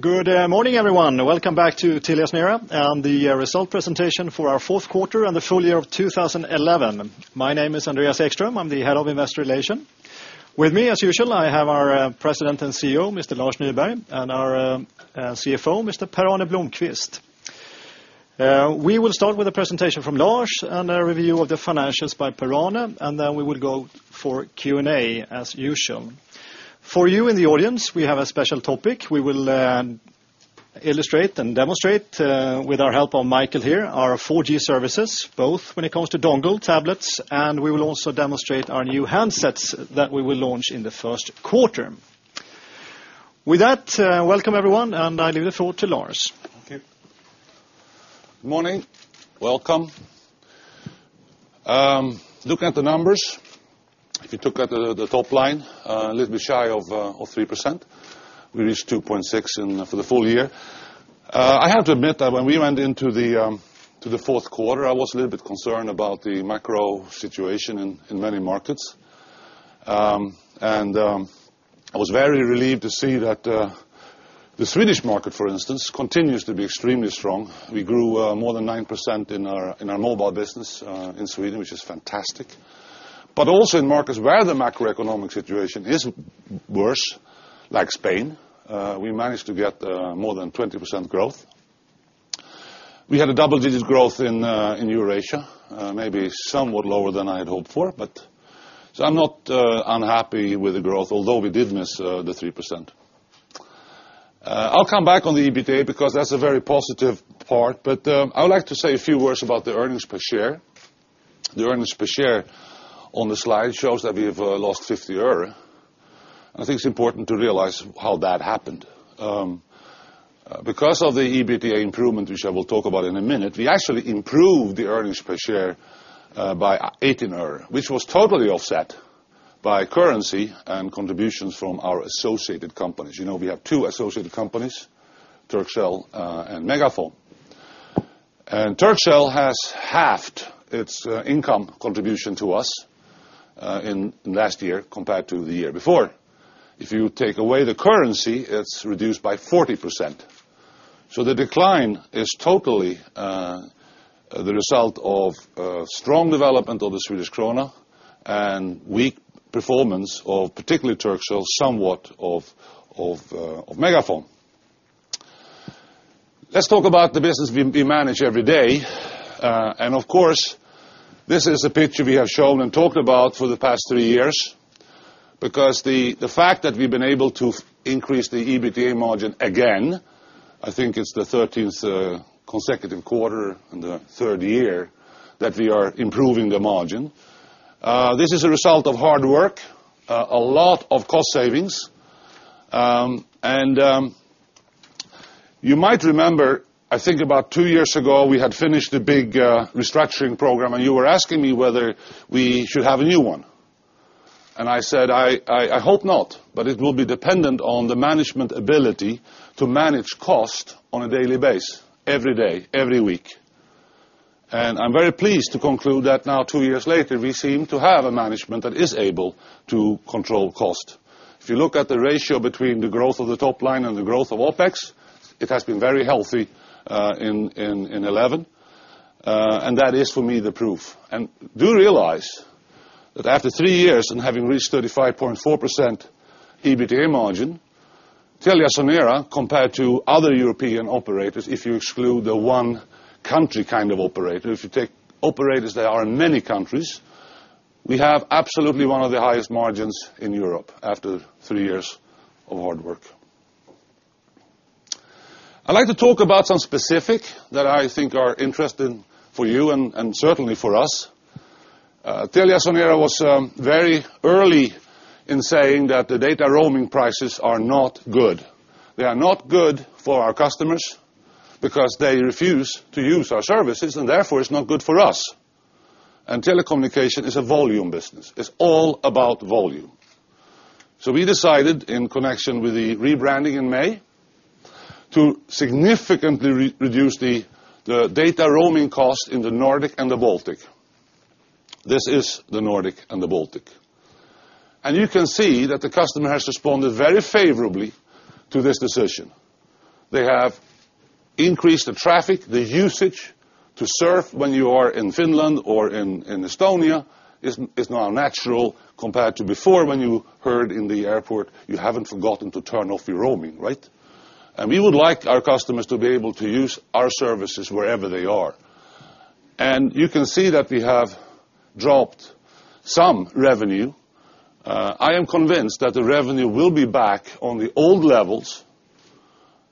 Good morning, everyone. Welcome back to TeliaSonera. I'm at the result presentation for our fourth quarter and the full year of 2011. My name is Andreas Ekström. I'm the Head of Investor Relations. With me, as usual, I have our President and CEO, Mr. Lars Nyberg, and our CFO, Mr. Per-Arne Blomquist. We will start with a presentation from Lars and a review of the financials by Per-Arne, and then we will go for Q&A, as usual. For you in the audience, we have a special topic we will illustrate and demonstrate with the help of Michael here, our 4G services, both when it comes to dongles, tablets, and we will also demonstrate our new handsets that we will launch in the first quarter. With that, welcome, everyone, and I leave the floor to Lars. Okay. Good morning. Welcome. Looking at the numbers, if you look at the top line, a little bit shy of 3%. We reached 2.6% for the full year. I have to admit that when we went into the fourth quarter, I was a little bit concerned about the macro situation in many markets. I was very relieved to see that the Swedish market, for instance, continues to be extremely strong. We grew more than 9% in our mobile business in Sweden, which is fantastic. Also, in markets where the macroeconomic situation is worse, like Spain, we managed to get more than 20% growth. We had a double-digit growth in Eurasia, maybe somewhat lower than I had hoped for. I'm not unhappy with the growth, although we did miss the 3%. I'll come back on the EBITDA because that's a very positive part. I would like to say a few words about the earnings per share. The earnings per share on the slide shows that we have lost SEK 0.50. I think it's important to realize how that happened. Because of the EBITDA improvement, which I will talk about in a minute, we actually improved the earnings per share by SEK 0.18, which was totally offset by currency and contributions from our associated companies. You know, we have two associated companies, Turkcell and MegaFon. Turkcell has halved its income contribution to us in last year compared to the year before. If you take away the currency, it's reduced by 40%. The decline is totally the result of strong development of the Swedish krona and weak performance of particularly Turkcell, somewhat of MegaFon. Let's talk about the business we manage every day. This is a picture we have shown and talked about for the past three years. The fact that we've been able to increase the EBITDA margin again, I think it's the 13th consecutive quarter in the third year that we are improving the margin. This is a result of hard work, a lot of cost savings. You might remember, I think about two years ago, we had finished the big restructuring program, and you were asking me whether we should have a new one. I said, I hope not, but it will be dependent on the management's ability to manage cost on a daily basis, every day, every week. I'm very pleased to conclude that now, two years later, we seem to have a management that is able to control cost. If you look at the ratio between the growth of the top line and the growth of OpEx, it has been very healthy in 2011. That is, for me, the proof. Do realize that after three years and having reached 35.4% EBITDA margin, TeliaSonera, compared to other European operators, if you exclude the one country kind of operator, if you take operators that are in many countries, we have absolutely one of the highest margins in Europe after three years of hard work. I'd like to talk about some specifics that I think are interesting for you and certainly for TeliaSonera was very early in saying that the data roaming prices are not good. They are not good for our customers because they refuse to use our services, and therefore, it's not good for us. Telecommunication is a volume business. It's all about volume. We decided, in connection with the rebranding in May, to significantly reduce the data roaming costs in the Nordic and the Baltic. This is the Nordic and the Baltic. You can see that the customer has responded very favorably to this decision. They have increased the traffic, the usage to surf when you are in Finland or in Estonia is now natural compared to before when you heard in the airport, you haven't forgotten to turn off your roaming, right? We would like our customers to be able to use our services wherever they are. You can see that we have dropped some revenue. I am convinced that the revenue will be back on the old levels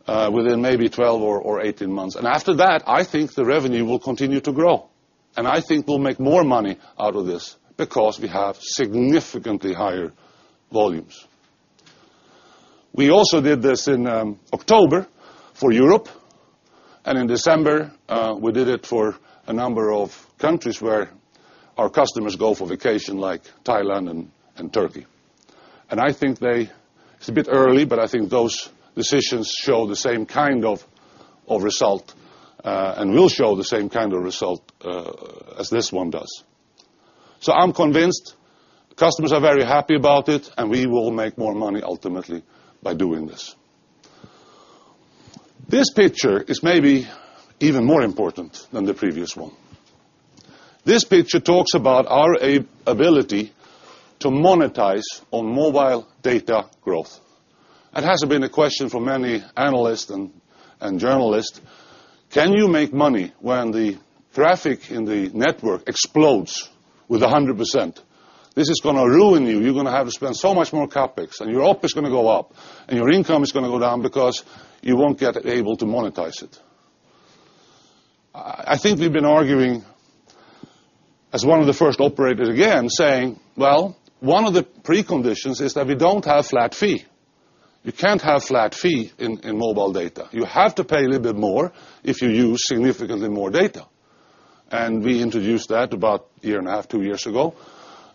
within maybe 12 or 18 months. After that, I think the revenue will continue to grow. I think we'll make more money out of this because we have significantly higher volumes. We also did this in October for Europe. In December, we did it for a number of countries where our customers go for vacation, like Thailand and Turkey. I think it's a bit early, but I think those decisions show the same kind of result and will show the same kind of result as this one does. I'm convinced customers are very happy about it, and we will make more money ultimately by doing this. This picture is maybe even more important than the previous one. This picture talks about our ability to monetize on mobile data growth. It has been a question for many analysts and journalists, can you make money when the traffic in the network explodes with 100%? This is going to ruin you. You're going to have to spend so much more CapEx, and your OpEx is going to go up, and your income is going to go down because you won't get able to monetize it. I think we've been arguing as one of the first operators again saying one of the preconditions is that we don't have a flat fee. You can't have a flat fee in mobile data. You have to pay a little bit more if you use significantly more data. We introduced that about a year and a half, two years ago.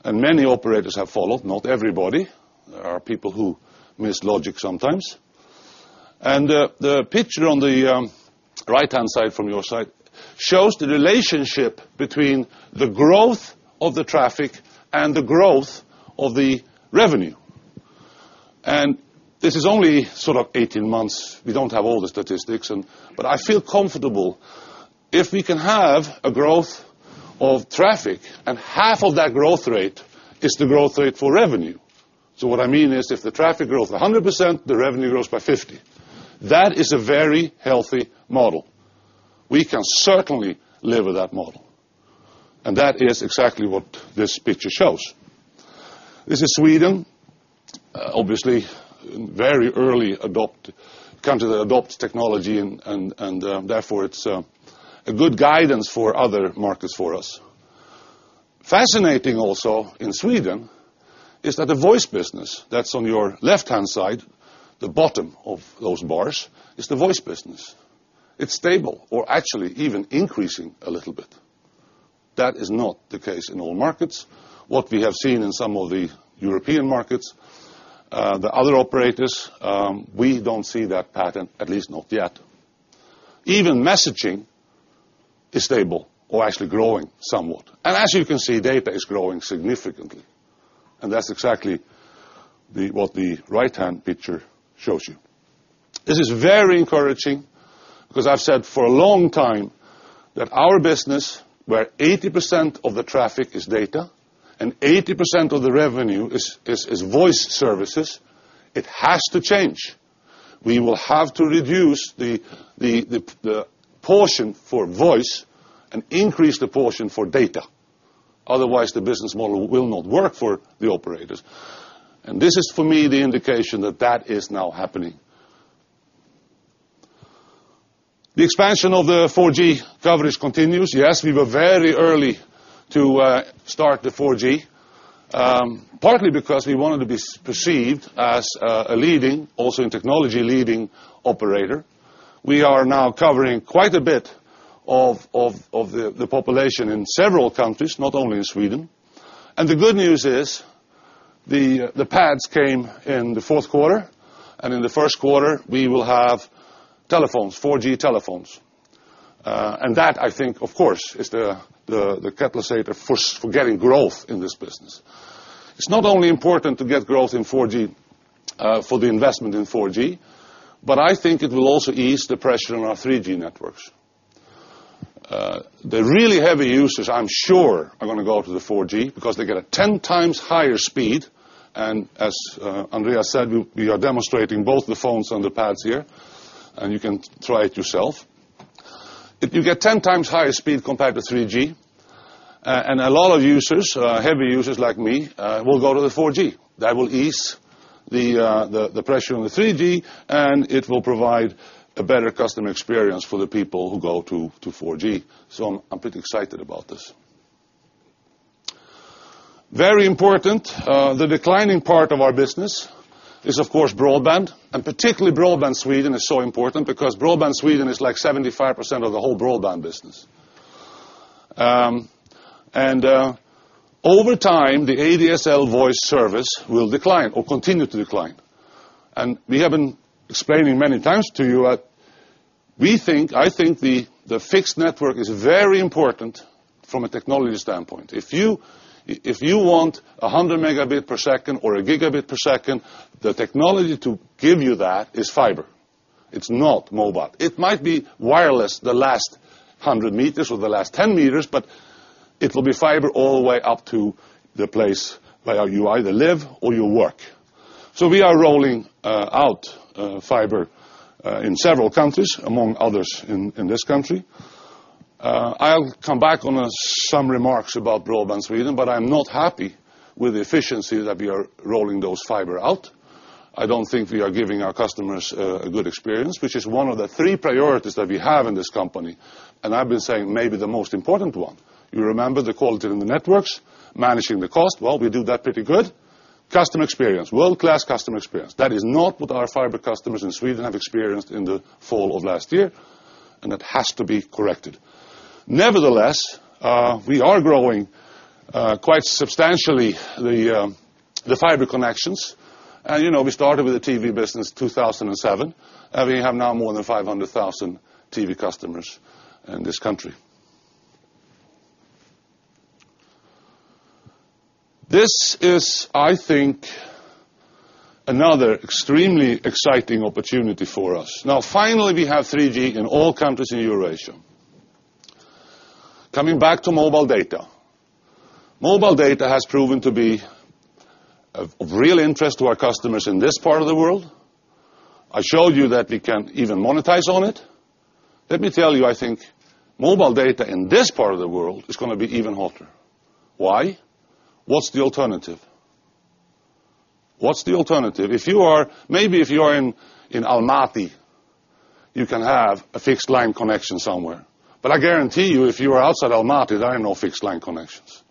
Many operators have followed, not everybody. There are people who miss logic sometimes. The picture on the right-hand side from your side shows the relationship between the growth of the traffic and the growth of the revenue. This is only sort of 18 months. We don't have all the statistics. I feel comfortable if we can have a growth of traffic and half of that growth rate is the growth rate for revenue. What I mean is if the traffic grows by 100%, the revenue grows by 50%. That is a very healthy model. We can certainly live with that model. That is exactly what this picture shows. This is Sweden, obviously a very early country that adopts technology, and therefore, it's a good guidance for other markets for us. Fascinating also in Sweden is that the voice business that's on your left-hand side, the bottom of those bars, is the voice business. It's stable or actually even increasing a little bit. That is not the case in all markets. What we have seen in some of the European markets, the other operators, we don't see that pattern, at least not yet. Even messaging is stable or actually growing somewhat. As you can see, data is growing significantly. That's exactly what the right-hand picture shows you. This is very encouraging because I've said for a long time that our business, where 80% of the traffic is data and 80% of the revenue is voice services, it has to change. We will have to reduce the portion for voice and increase the portion for data. Otherwise, the business model will not work for the operators. This is, for me, the indication that that is now happening. The expansion of the 4G coverage continues. Yes, we were very early to start the 4G, partly because we wanted to be perceived as a leading, also in technology, leading operator. We are now covering quite a bit of the population in several countries, not only in Sweden. The good news is the pads came in the fourth quarter. In the first quarter, we will have telephones, 4G telephones. That, I think, of course, is the catalyst for getting growth in this business. It's not only important to get growth in 4G for the investment in 4G, but I think it will also ease the pressure on our 3G networks. The really heavy users, I'm sure, are going to go to the 4G because they get a 10x higher speed. As Andreas said, we are demonstrating both the phones and the pads here, and you can try it yourself. If you get 10x higher speed compared to 3G, a lot of users, heavy users like me, will go to the 4G. That will ease the pressure on the 3G, and it will provide a better customer experience for the people who go to 4G. I'm pretty excited about this. Very important, the declining part of our business is, of course, broadband. Particularly Broadband Sweden is so important because Broadband Sweden is like 75% of the whole broadband business. Over time, the ADSL voice service will decline or continue to decline. We have been explaining many times to you that we think, I think the fixed network is very important from a technology standpoint. If you want 100 Mbps or 1 Gbps, the technology to give you that is fiber. It's not mobile. It might be wireless the last 100 m or the last 10 m, but it will be fiber all the way up to the place where you either live or you work. We are rolling out fiber in several countries, among others in this country. I'll come back on some remarks about Broadband Sweden, but I'm not happy with the efficiency that we are rolling those fiber out. I don't think we are giving our customers a good experience, which is one of the three priorities that we have in this company. I've been saying maybe the most important one. You remember the quality in the networks, managing the cost. We do that pretty good. Customer experience, world-class customer experience. That is not what our fiber customers in Sweden have experienced in the fall of last year, and that has to be corrected. Nevertheless, we are growing quite substantially, the fiber connections. You know we started with the TV business in 2007, and we have now more than 500,000 TV customers in this country. This is, I think, another extremely exciting opportunity for us. Now, finally, we have 3G in all countries in Eurasia. Coming back to mobile data, mobile data has proven to be of real interest to our customers in this part of the world. I showed you that we can even monetize on it. Let me tell you, I think mobile data in this part of the world is going to be even hotter. Why? What's the alternative? What's the alternative? If you are, maybe if you are in Almaty, you can have a fixed line connection somewhere. I guarantee you, if you are outside Almaty, there are no fixed line connections.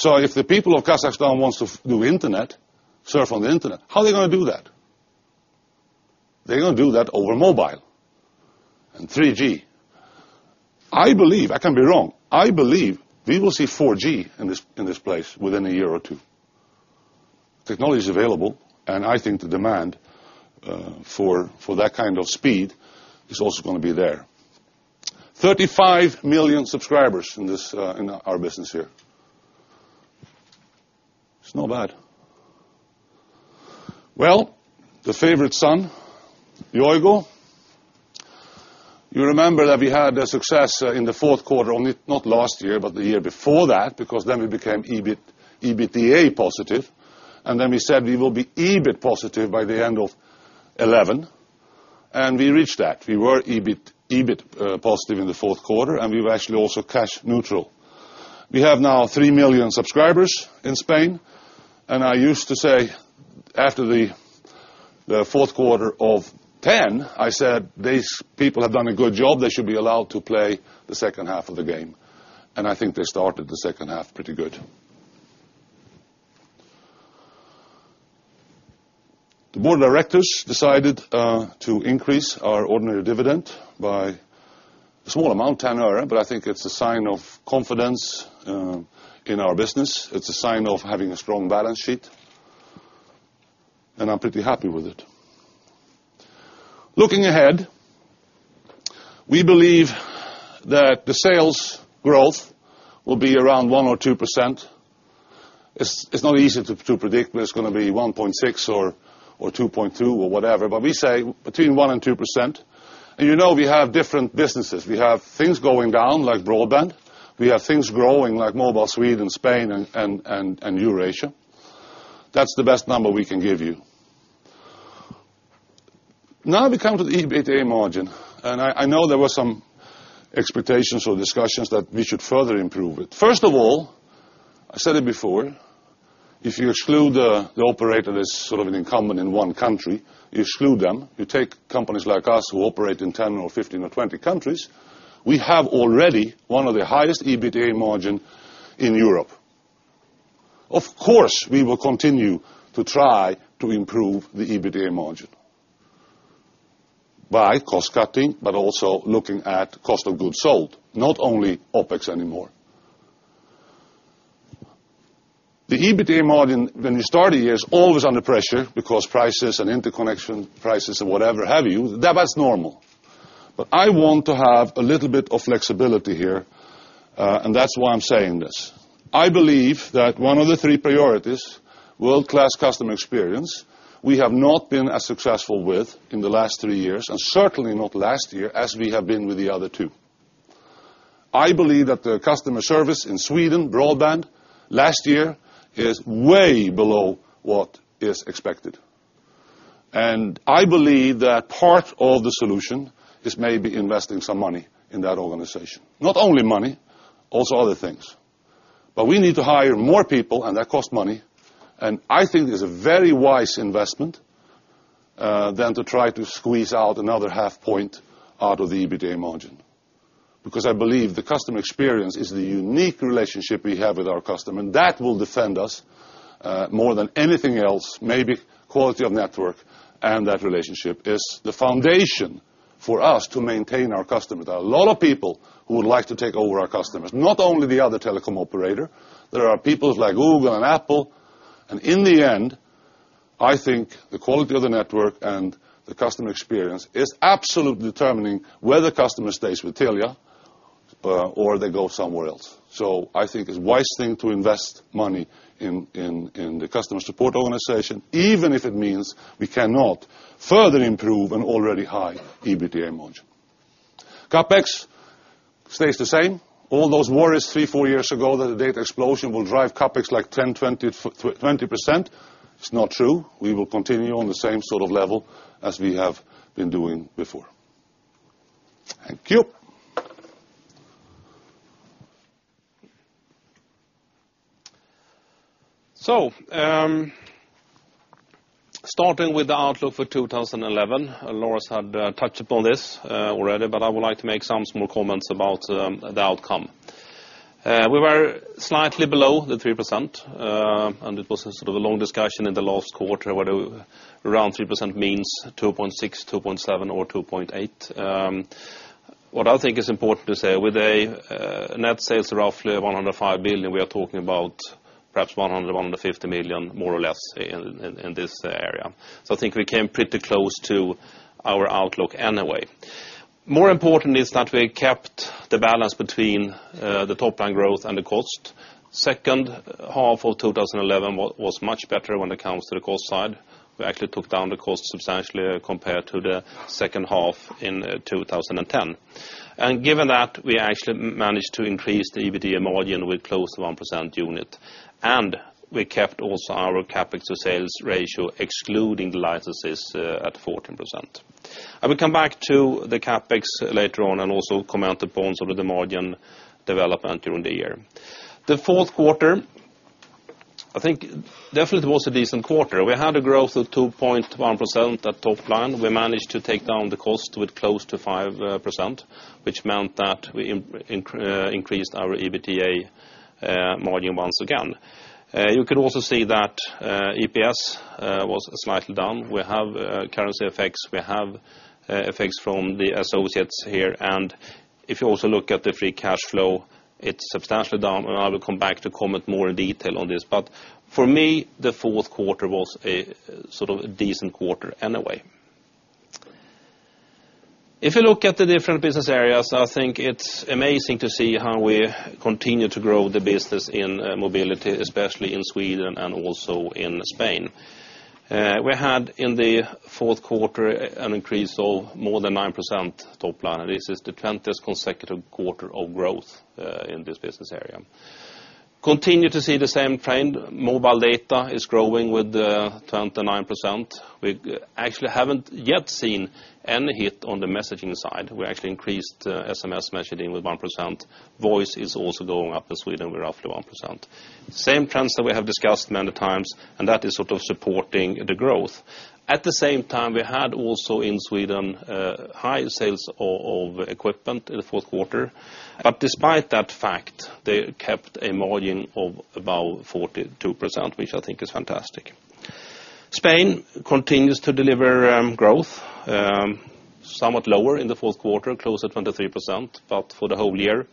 If the people of Kazakhstan want to do Internet, surf on the Internet, how are they going to do that? They're going to do that over mobile and 3G. I believe, I can be wrong, I believe we will see 4G in this place within a year or two. Technology is available. I think the demand for that kind of speed is also going to be there. 35 million subscribers in our business here. It's not bad. The favorite son, Yoigo. You remember that we had a success in the fourth quarter, not last year, but the year before that, because then we became EBITDA positive. We said we will be EBIT positive by the end of 2011. We reached that. We were EBIT positive in the fourth quarter. We were actually also cash neutral. We have now 3 million subscribers in Spain. I used to say, after the fourth quarter of 2010, I said, these people have done a good job. They should be allowed to play the second half of the game. I think they started the second half pretty good. Board directors decided to increase our ordinary dividend by a small amount, EUR 10. I think it's a sign of confidence in our business. It's a sign of having a strong balance sheet. I'm pretty happy with it. Looking ahead, we believe that the sales growth will be around 1% or 2%. It's not easy to predict, but it's going to be 1.6% or 2.2% or whatever. We say between 1% and 2%. You know we have different businesses. We have things going down, like broadband. We have things growing, like Mobile Sweden and Spain and Eurasia. That's the best number we can give you. Now we come to the EBITDA margin. I know there were some expectations or discussions that we should further improve it. First of all, I said it before, if you exclude the operator that's sort of an incumbent in one country, you exclude them. You take companies like us who operate in 10 or 15 or 20 countries. We have already one of the highest EBITDA margins in Europe. Of course, we will continue to try to improve the EBITDA margin by cost cutting, but also looking at cost of goods sold, not only OpEx anymore. The EBITDA margin, when we started here, is always under pressure because prices and interconnection prices and whatever have you, that's normal. I want to have a little bit of flexibility here. That's why I'm saying this. I believe that one of the three priorities, world-class customer experience, we have not been as successful with in the last three years, and certainly not last year as we have been with the other two. I believe that the customer service in Sweden, broadband, last year is way below what is expected. I believe that part of the solution is maybe investing some money in that organization. Not only money, also other things. We need to hire more people, and that costs money. I think it's a very wise investment than to try to squeeze out another half point out of the EBITDA margin. I believe the customer experience is the unique relationship we have with our customer. That will defend us more than anything else. Maybe quality of network and that relationship is the foundation for us to maintain our customers. There are a lot of people who would like to take over our customers, not only the other telecom operators. There are people like Google and Apple. In the end, I think the quality of the network and the customer experience is absolutely determining whether the customer stays with Telia or they go somewhere else. I think it's a wise thing to invest money in the customer support organization, even if it means we cannot further improve an already high EBITDA margin. CapEx stays the same. All those worries three, four years ago that the data explosion will drive CapEx like 10%, 20%. It's not true. We will continue on the same sort of level as we have been doing before. Thank you. Starting with the outlook for 2011, and Lars had touched upon this already, I would like to make some small comments about the outcome. We were slightly below the 3%. It was sort of a long discussion in the last quarter whether around 3% means 2.6%, 2.7%, or 2.8%. What I think is important to say, with a net sales of roughly 105 billion, we are talking about perhaps 100 million, 150 million more or less in this area. I think we came pretty close to our outlook anyway. More important is that we kept the balance between the top line growth and the cost. The second half of 2011 was much better when it comes to the cost side. We actually took down the cost substantially compared to the second half in 2010. Given that, we actually managed to increase the EBITDA margin with close to 1% unit. We kept also our CapEx to sales ratio, excluding the licenses, at 14%. I will come back to the CapEx later on and also comment upon the margin development during the year. The fourth quarter, I think, definitely was a decent quarter. We had a growth of 2.1% at top line. We managed to take down the cost with close to 5%, which meant that we increased our EBITDA margin once again. You can also see that EPS was slightly down. We have currency effects. We have effects from the associates here. If you also look at the free cash flow, it's substantially down. I will come back to comment more in detail on this. For me, the fourth quarter was a sort of decent quarter anyway. If you look at the different business areas, I think it's amazing to see how we continue to grow the business in mobility, especially in Sweden and also in Spain. We had in the fourth quarter an increase of more than 9% top line. This is the 20th consecutive quarter of growth in this business area. We continue to see the same trend. Mobile data is growing with 29%. We actually haven't yet seen any hit on the messaging side. We actually increased SMS messaging with 1%. Voice is also going up in Sweden with roughly 1%. Same trends that we have discussed many times. That is supporting the growth. At the same time, we had also in Sweden high sales of equipment in the fourth quarter. Despite that fact, they kept a margin of about 42%, which I think is fantastic. Spain continues to deliver growth somewhat lower in the fourth quarter, close to 23%. For the whole year,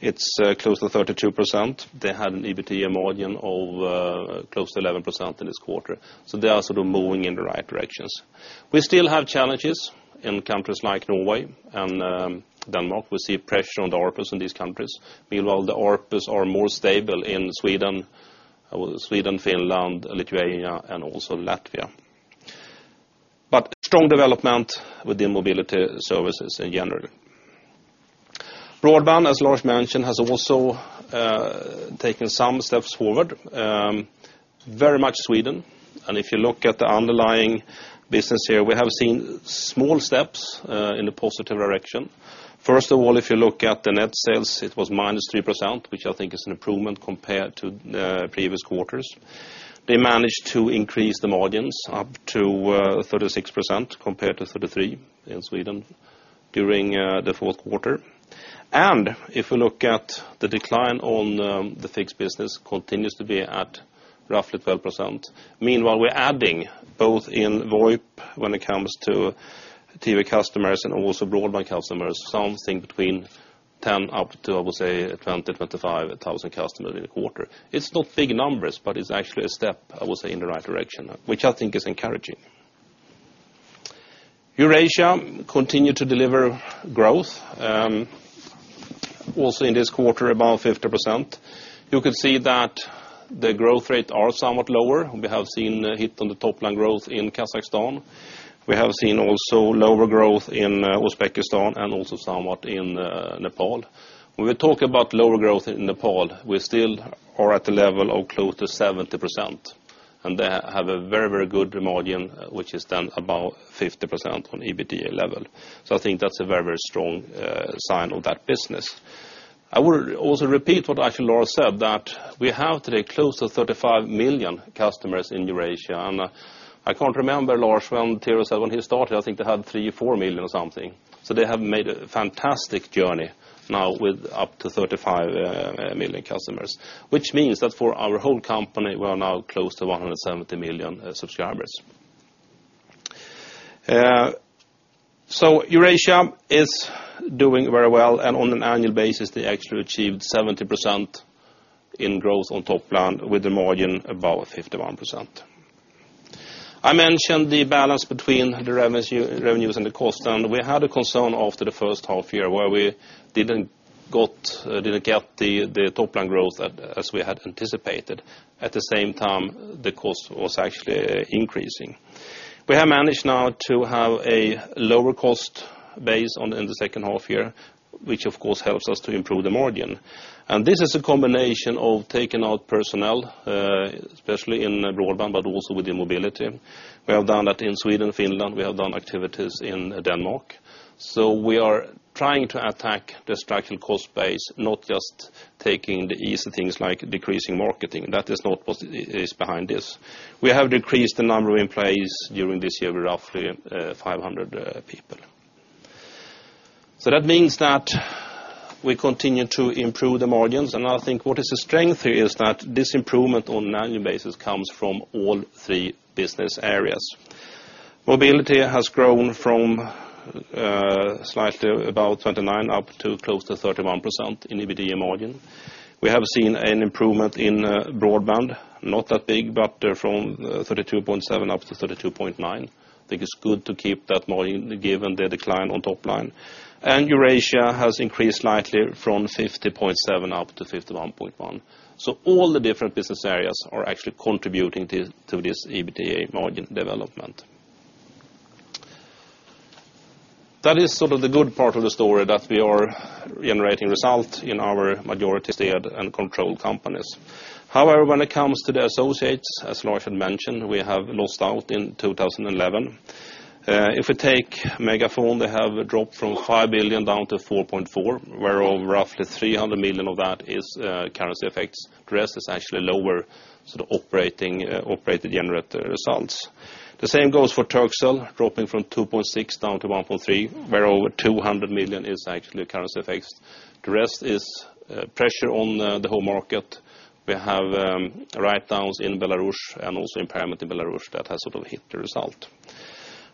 it's close to 32%. They had an EBITDA margin of close to 11% in this quarter. They are sort of moving in the right directions. We still have challenges in countries like Norway and Denmark. We see pressure on the ARPUs in these countries. Meanwhile, the ARPUs are more stable in Sweden, Finland, Lithuania, and also Latvia. Strong development within mobility services in general. Broadband, as Lars mentioned, has also taken some steps forward, very much Sweden. If you look at the underlying business here, we have seen small steps in the positive direction. First of all, if you look at the net sales, it was -3%, which I think is an improvement compared to the previous quarters. They managed to increase the margins up to 36% compared to 33% in Sweden during the fourth quarter. If we look at the decline on the fixed business, it continues to be at roughly 12%. Meanwhile, we're adding both in VoIP when it comes to TV customers and also broadband customers, something between 10 up to, I would say, 20,000-25,000 customers in a quarter. It's not big numbers, but it's actually a step, I would say, in the right direction, which I think is encouraging. Eurasia continues to deliver growth, also in this quarter about 50%. You can see that the growth rates are somewhat lower. We have seen a hit on the top line growth in Kazakhstan. We have seen also lower growth in Uzbekistan and also somewhat in Nepal. When we talk about lower growth in Nepal, we still are at the level of close to 70%. They have a very, very good margin, which is then about 50% on EBITDA level. I think that's a very, very strong sign of that business. I would also repeat what I think Lars said, that we have today close to 35 million customers in Eurasia. I can't remember, Lars, when Telia started, I think they had 3 million, 4 million or something. They have made a fantastic journey now with up to 35 million customers, which means that for our whole company, we are now close to 170 million subscribers. Eurasia is doing very well. On an annual basis, they actually achieved 70% in growth on top line with a margin of about 51%. I mentioned the balance between the revenues and the costs. We had a concern after the first half year where we didn't get the top line growth as we had anticipated. At the same time, the cost was actually increasing. We have managed now to have a lower cost base in the second half year, which, of course, helps us to improve the margin. This is a combination of taking out personnel, especially in broadband, but also within mobility. We have done that in Sweden, Finland. We have done activities in Denmark. We are trying to attack the structural cost base, not just taking the easy things like decreasing marketing. That is not what is behind this. We have decreased the number of employees during this year by roughly 500 people. That means that we continue to improve the margins. I think what is a strength here is that this improvement on an annual basis comes from all three business areas. Mobility has grown from slightly about 29% up to close to 31% in EBITDA margin. We have seen an improvement in broadband, not that big, but from 32.7% up to 32.9%. I think it's good to keep that margin given the decline on top line. Eurasia has increased slightly from 50.7% up to 51.1%. All the different business areas are actually contributing to this EBITDA margin development. That is sort of the good part of the story that we are generating results in our majority-led and controlled companies. However, when it comes to the associates, as Lars had mentioned, we have lost out in 2011. If we take MegaFon, they have dropped from 5 billion down to 4.4%, where over roughly 300 million of that is currency effects. The rest is actually lower sort of operated generated results. The same goes for Turkcell, dropping from 2.6% down to 1.3%, where over 200 million is actually currency effects. The rest is pressure on the whole market. We have write-downs in Belarus and also impairment in Belarus that has sort of hit the result,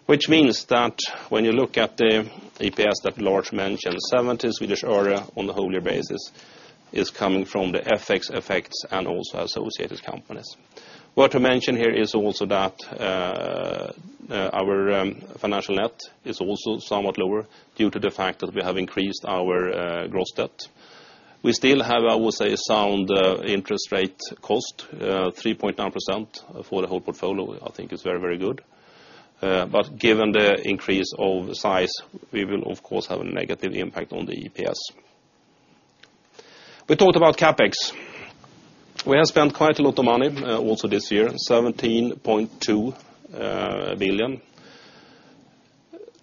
which means that when you look at the EPS that Lars mentioned, SEK 70 on a whole year basis, it's coming from the FX effects and also associated companies. What I mentioned here is also that our financial net is also somewhat lower due to the fact that we have increased our gross debt. We still have, I would say, a sound interest rate cost, 3.9% for the whole portfolio. I think it's very, very good. Given the increase of size, we will, of course, have a negative impact on the EPS. We talked about CapEx. We have spent quite a lot of money also this year, 17.2 billion.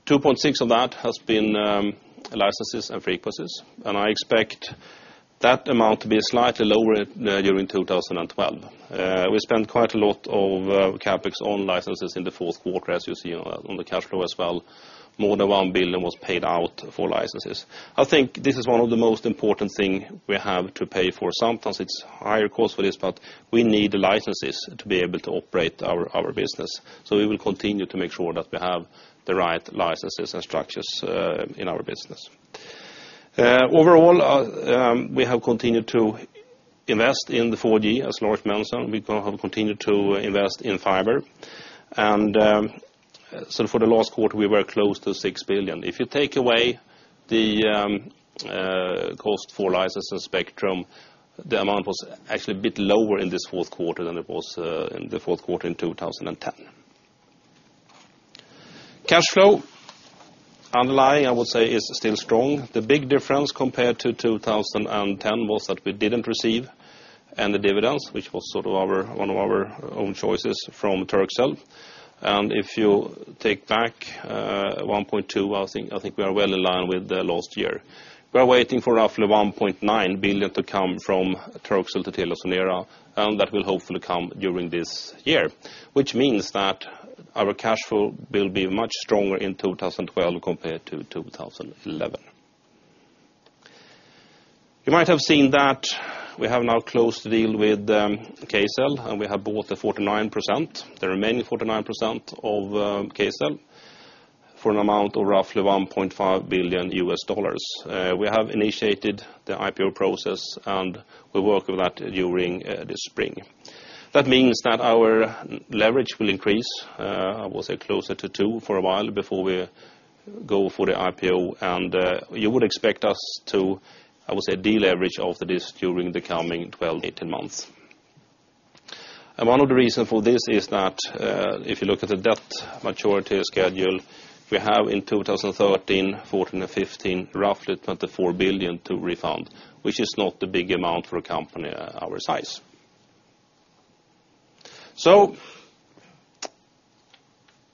2.6% of that has been licenses and frequencies. I expect that amount to be slightly lower during 2012. We spent quite a lot of CapEx on licenses in the fourth quarter, as you see on the cash flow as well. More than 1 billion was paid out for licenses. I think this is one of the most important things we have to pay for. Sometimes it's a higher cost for this, but we need the licenses to be able to operate our business. We will continue to make sure that we have the right licenses and structures in our business. Overall, we have continued to invest in 4G, as Lars mentioned. We have continued to invest in fiber. For the last quarter, we were close to 6 billion. If you take away the cost for licenses and spectrum, the amount was actually a bit lower in this fourth quarter than it was in the fourth quarter in 2010. Cash flow, underlying, I would say, is still strong. The big difference compared to 2010 was that we didn't receive any dividends, which was sort of one of our own choices from Turkcell. If you take back 1.2%, I think we are well in line with the last year. We are waiting for roughly 1.9 billion to come from Turkcell to TeliaSonera. That will hopefully come during this year, which means that our cash flow will be much stronger in 2012 compared to 2011. You might have seen that we have now closed the deal with Kcell. We have bought 49%, the remaining 49% of Kcell, for an amount of roughly $1.5 billion. We have initiated the IPO process. We'll work with that during the spring. That means that our leverage will increase, I would say, closer to 2% for a while before we go for the IPO. You would expect us to, I would say, deleverage off this during the coming 12-18 months. One of the reasons for this is that if you look at the debt maturity schedule, we have in 2013, 2014, and 2015, roughly 24 billion to refund, which is not a big amount for a company our size. If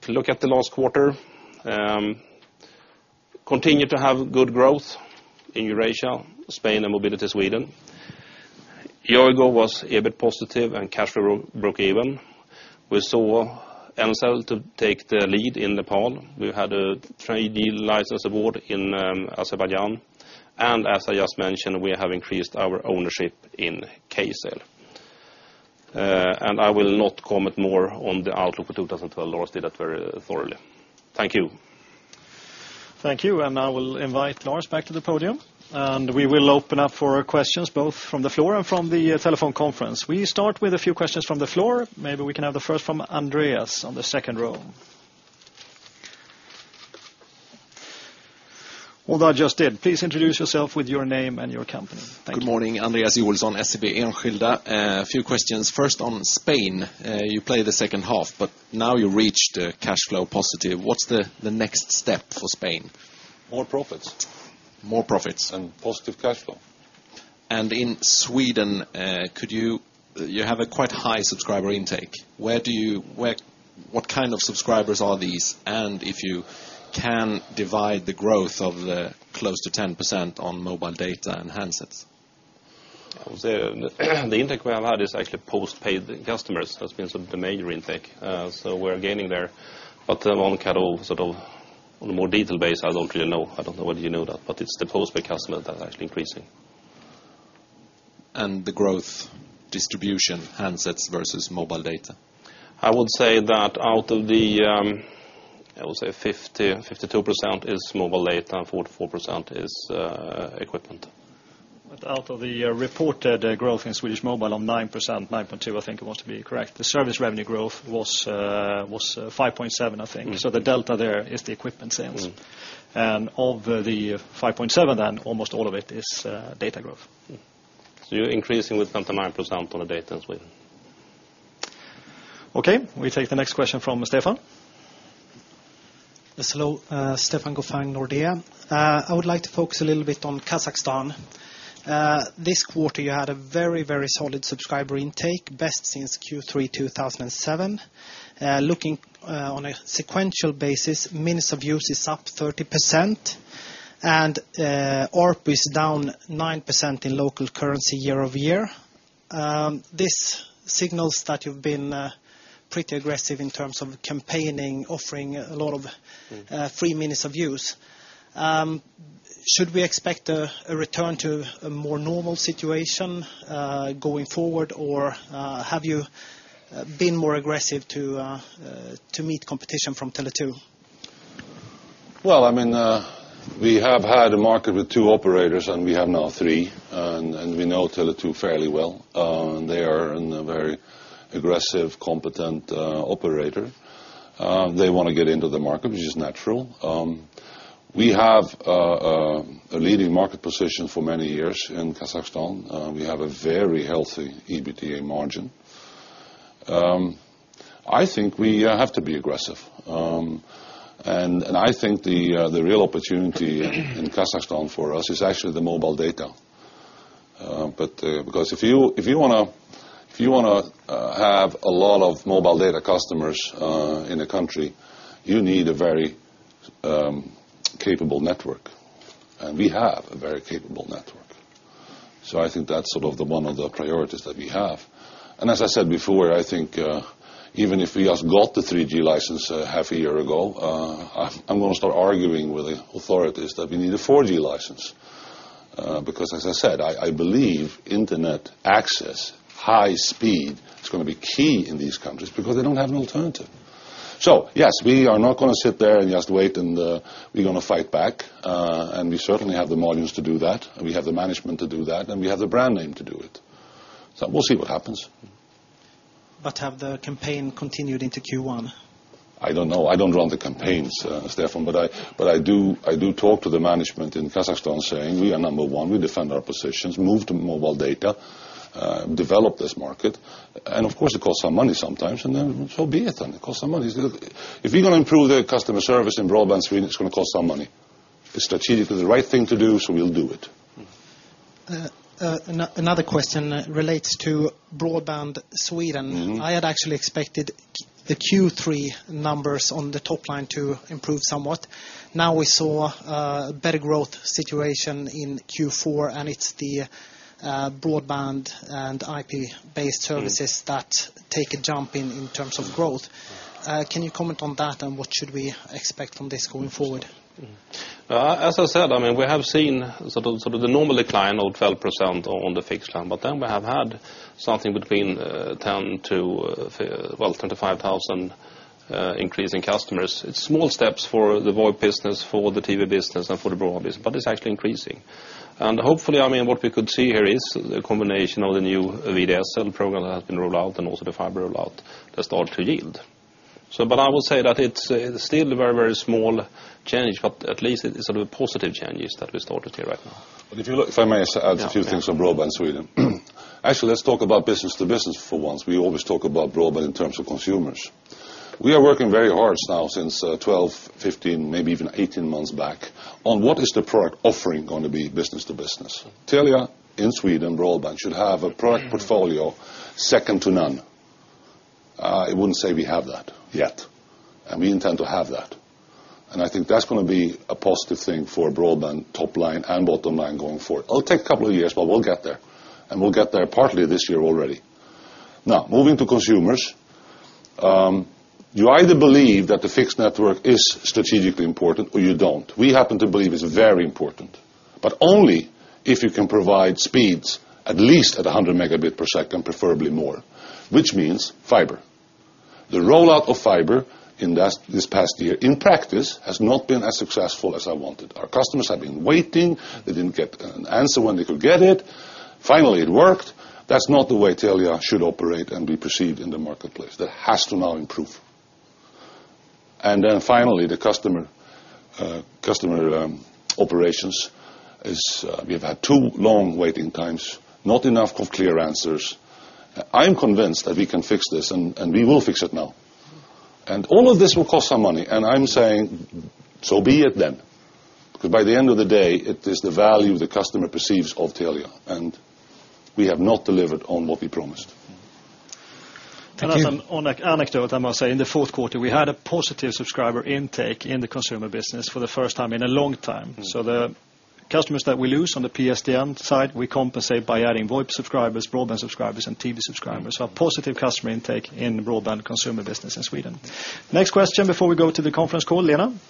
you look at the last quarter, we continue to have good growth in Eurasia, Spain, and mobility Sweden. Yoigo was EBIT positive, and cash flow broke even. We saw Ncell take the lead in Nepal. We had a trade deal license award in Azerbaijan. As I just mentioned, we have increased our ownership in Kcell. I will not comment more on the outlook for 2012. Lars did that very thoroughly. Thank you. Thank you. I will invite Lars back to the podium. We will open up for questions both from the floor and from the telephone conference. We start with a few questions from the floor. Maybe we can have the first from Andreas on the second row. Please introduce yourself with your name and your company. Good morning. Andreas Joelsson, SEB Enskilda. A few questions. First on Spain. You played the second half, but now you reached the cash flow positive. What's the next step for Spain? More profits. More profits and positive cash flow. In Sweden, you have a quite high subscriber intake. What kind of subscribers are these? If you can divide the growth of close to 10% on mobile data and handsets. The intake we have had is actually postpaid customers. That's been sort of the major intake. We're gaining there. The one kind of on a more detailed base, I don't really know. I don't know whether you know that. It's the postpaid customer that is actually increasing. The growth distribution handsets versus mobile data. I would say that out of the, I would say, 52% is mobile data and 44% is equipment. Out of the reported growth in Swedish Mobile on 9%, 9.2%, I think it was to be correct. The service revenue growth was 5.7%, I think. The delta there is the equipment sales. Of the 5.7%, almost all of it is data growth. You're increasing with 29% on the data in Sweden. OK. We take the next question from Stefan Gauffin. Hello. Stefan Gauffin, Nordea. I would like to focus a little bit on Kazakhstan. This quarter, you had a very, very solid subscriber intake, best since Q3 2007. Looking on a sequential basis, minutes of use is up 30%. ARPU is down 9% in local currency year-over-year. This signals that you've been pretty aggressive in terms of campaigning, offering a lot of free minutes of use. Should we expect a return to a more normal situation going forward? Have you been more aggressive to meet competition from Tele2? We have had a market with two operators, and we have now three. We know Tele2 fairly well. They are a very aggressive, competent operator. They want to get into the market, which is natural. We have a leading market position for many years in Kazakhstan. We have a very healthy EBITDA margin. I think we have to be aggressive. I think the real opportunity in Kazakhstan for us is actually the mobile data. If you want to have a lot of mobile data customers in a country, you need a very capable network. We have a very capable network. I think that's sort of one of the priorities that we have. As I said before, I think even if we just got the 3G license half a year ago, I'm going to start arguing with the authorities that we need a 4G license. As I said, I believe internet access, high speed, is going to be key in these countries because they don't have an alternative. Yes, we are not going to sit there and just wait, and we're going to fight back. We certainly have the margins to do that. We have the management to do that. We have the brand name to do it. We'll see what happens. Have the campaigns continued into Q1? I don't know. I don't run the campaigns, Stefan. I do talk to the management in Kazakhstan, saying we are number one. We defend our positions, move to mobile data, develop this market. Of course, it costs some money sometimes, so be it. It costs some money. If you're going to improve the customer service in broadband, it's going to cost some money. It's strategically the right thing to do, so we'll do it. Another question relates to Broadband Sweden. I had actually expected the Q3 numbers on the top line to improve somewhat. We saw a better growth situation in Q4. It's the broadband and IP-based services that take a jump in terms of growth. Can you comment on that? What should we expect from this going forward? As I said, I mean, we have seen sort of the normal decline of 12% on the fixed line. We have had something between 10,000-25,000 increase in customers. It's small steps for the VoIP business, for the TV business, and for the broadband business. It's actually increasing. Hopefully, what we could see here is a combination of the new VDSL program that has been rolled out and also the fiber rollout that started to yield. I would say that it's still a very, very small change. At least it's a positive change that we started here right now. If you look. If I may just add a few things on Broadband Sweden. Actually, let's talk about business to business for once. We always talk about broadband in terms of consumers. We are working very hard now since 12, 15, maybe even 18 months back on what is the product offering going to be business to business. Telia in Sweden, broadband should have a product portfolio second to none. I wouldn't say we have that yet. We intend to have that. I think that's going to be a positive thing for broadband top line and bottom line going forward. It'll take a couple of years, but we'll get there, and we'll get there partly this year already. Now, moving to consumers, you either believe that the fixed network is strategically important, or you don't. We happen to believe it's very important, but only if you can provide speeds at least at 100 megabits per second, preferably more, which means fiber. The rollout of fiber in this past year, in practice, has not been as successful as I wanted. Our customers have been waiting. They didn't get an answer when they could get it. Finally, it worked. That's not the way Telia should operate and be perceived in the marketplace. That has to now improve. Finally, the customer operations, we have had too long waiting times, not enough clear answers. I'm convinced that we can fix this. We will fix it now. All of this will cost some money. I'm saying, so be it then. Because by the end of the day, it is the value the customer perceives of Telia. We have not delivered on what we promised. Another anecdote, I must say, in the fourth quarter, we had a positive subscriber intake in the consumer business for the first time in a long time. The customers that we lose on the PSDM side, we compensate by adding VoIP subscribers, broadband subscribers, and TV subscribers. A positive customer intake in the broadband consumer business in Sweden. Next question before we go to the conference call, Lena. Lena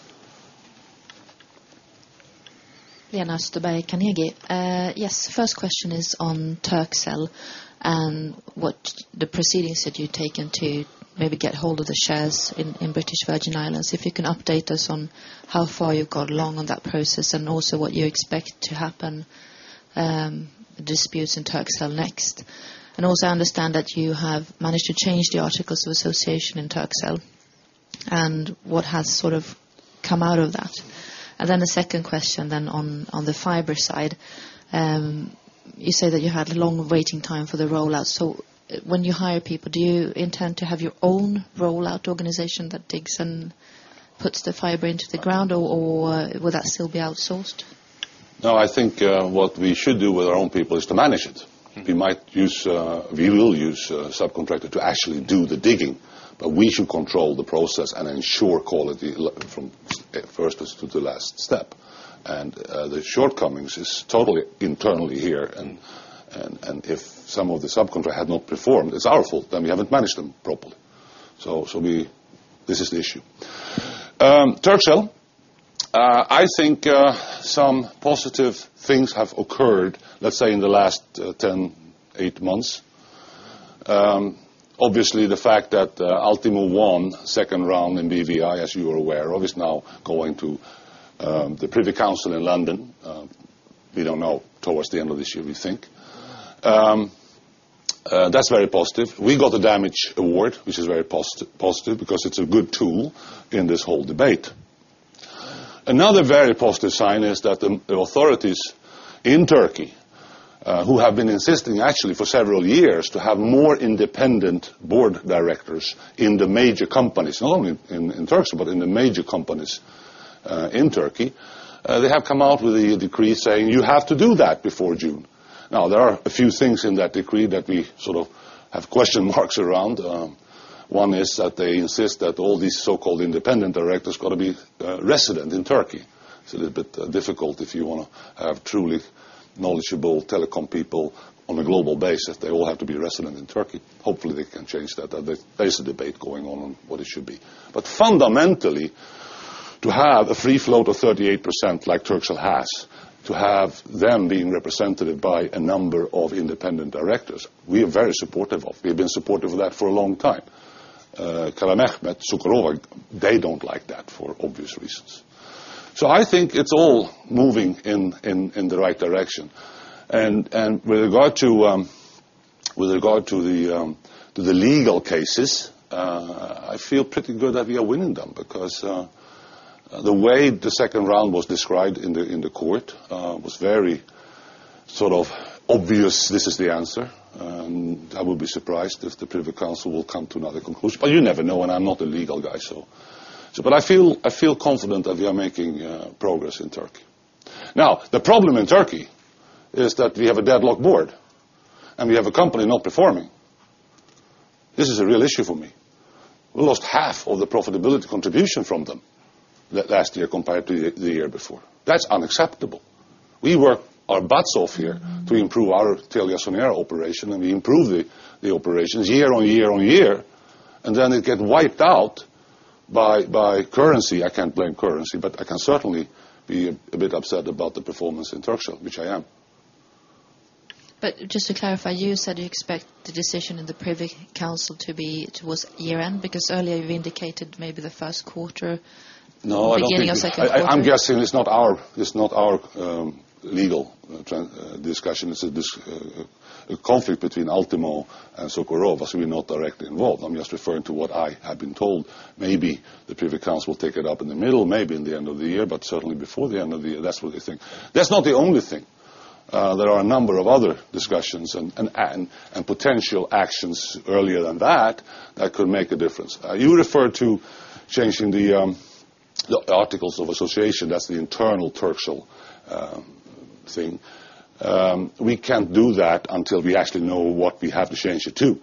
Österberg Carnegie. Yes, first question is on Turkcell and what the proceedings that you've taken to maybe get hold of the shares in British Virgin Islands. If you can update us on how far you've got along on that process and also what you expect to happen, disputes in Turkcell next. I understand that you have managed to change the articles of association in Turkcell. What has sort of come out of that? The second question on the fiber side, you say that you had a long waiting time for the rollout. When you hire people, do you intend to have your own rollout organization that digs and puts the fiber into the ground, or will that still be outsourced? No, I think what we should do with our own people is to manage it. We might use, we will use a subcontractor to actually do the digging. We should control the process and ensure quality from first to the last step. The shortcomings are totally internally here. If some of the subcontractors have not performed, it's our fault. We haven't managed them properly. This is the issue. Turkcell, I think some positive things have occurred, let's say, in the last 10, eight months. Obviously, the fact that Altimo won, second round in DVI, as you are aware of, is now going to the Privy Council in London. We don't know. Towards the end of this year, we think. That's very positive. We got a damage award, which is very positive because it's a good tool in this whole debate. Another very positive sign is that the authorities in Turkey, who have been insisting actually for several years to have more independent board directors in the major companies, not only in Turkcell, but in the major companies in Turkey, have come out with a decree saying you have to do that before June. Now, there are a few things in that decree that we sort of have question marks around. One is that they insist that all these so-called independent directors have got to be residents in Turkey. It's a little bit difficult if you want to have truly knowledgeable telecom people on a global basis. They all have to be residents in Turkey. Hopefully, they can change that. There's a debate going on on what it should be. Fundamentally, to have a free float of 38% like Turkcell has, to have them being represented by a number of independent directors, we are very supportive of. We have been supportive of that for a long time. Kalamehmet Cukurova, they don't like that for obvious reasons. I think it's all moving in the right direction. With regard to the legal cases, I feel pretty good that we are winning them because the way the second round was described in the court was very sort of obvious. This is the answer. I would be surprised if the Privy Council will come to another conclusion. You never know. I'm not a legal guy. I feel confident that we are making progress in Turkey. Now, the problem in Turkey is that we have a deadlocked board. We have a company not performing. This is a real issue for me. We lost half of the profitability contribution from them last year compared to the year before. That's unacceptable. We work our butts off here to improve our TeliaSonera operation. We improve the operations year-on year-on-year. It gets wiped out by currency. I can't blame currency. I can certainly be a bit upset about the performance in Turkcell, which I am. Just to clarify, you said you expect the decision in the Privy Council to be towards year end? Earlier, you indicated maybe the first quarter beginning or second quarter. No, I'm guessing it's not our legal discussion. It's a conflict between Altimo and Cukurova. We're not directly involved. I'm just referring to what I have been told. Maybe the Privy Council will take it up in the middle, maybe in the end of the year, but certainly before the end of the year. That's what I think. That's not the only thing. There are a number of other discussions and potential actions earlier than that that could make a difference. You referred to changing the articles of association. That's the internal Turkcell thing. We can't do that until we actually know what we have to change it to,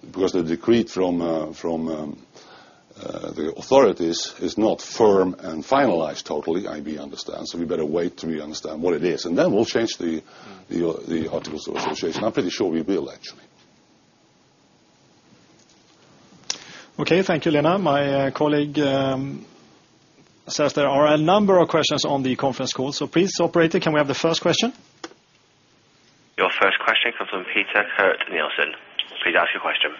because the decree from the authorities is not firm and finalized totally, I understand. We better wait till we understand what it is, and then we'll change the articles of association. I'm pretty sure we will, actually. OK. Thank you, Lena. My colleague says there are a number of questions on the conference call. Please operate it. Can we have the first question? Your first question comes from Peter Kurt Nielsen. Please ask your question.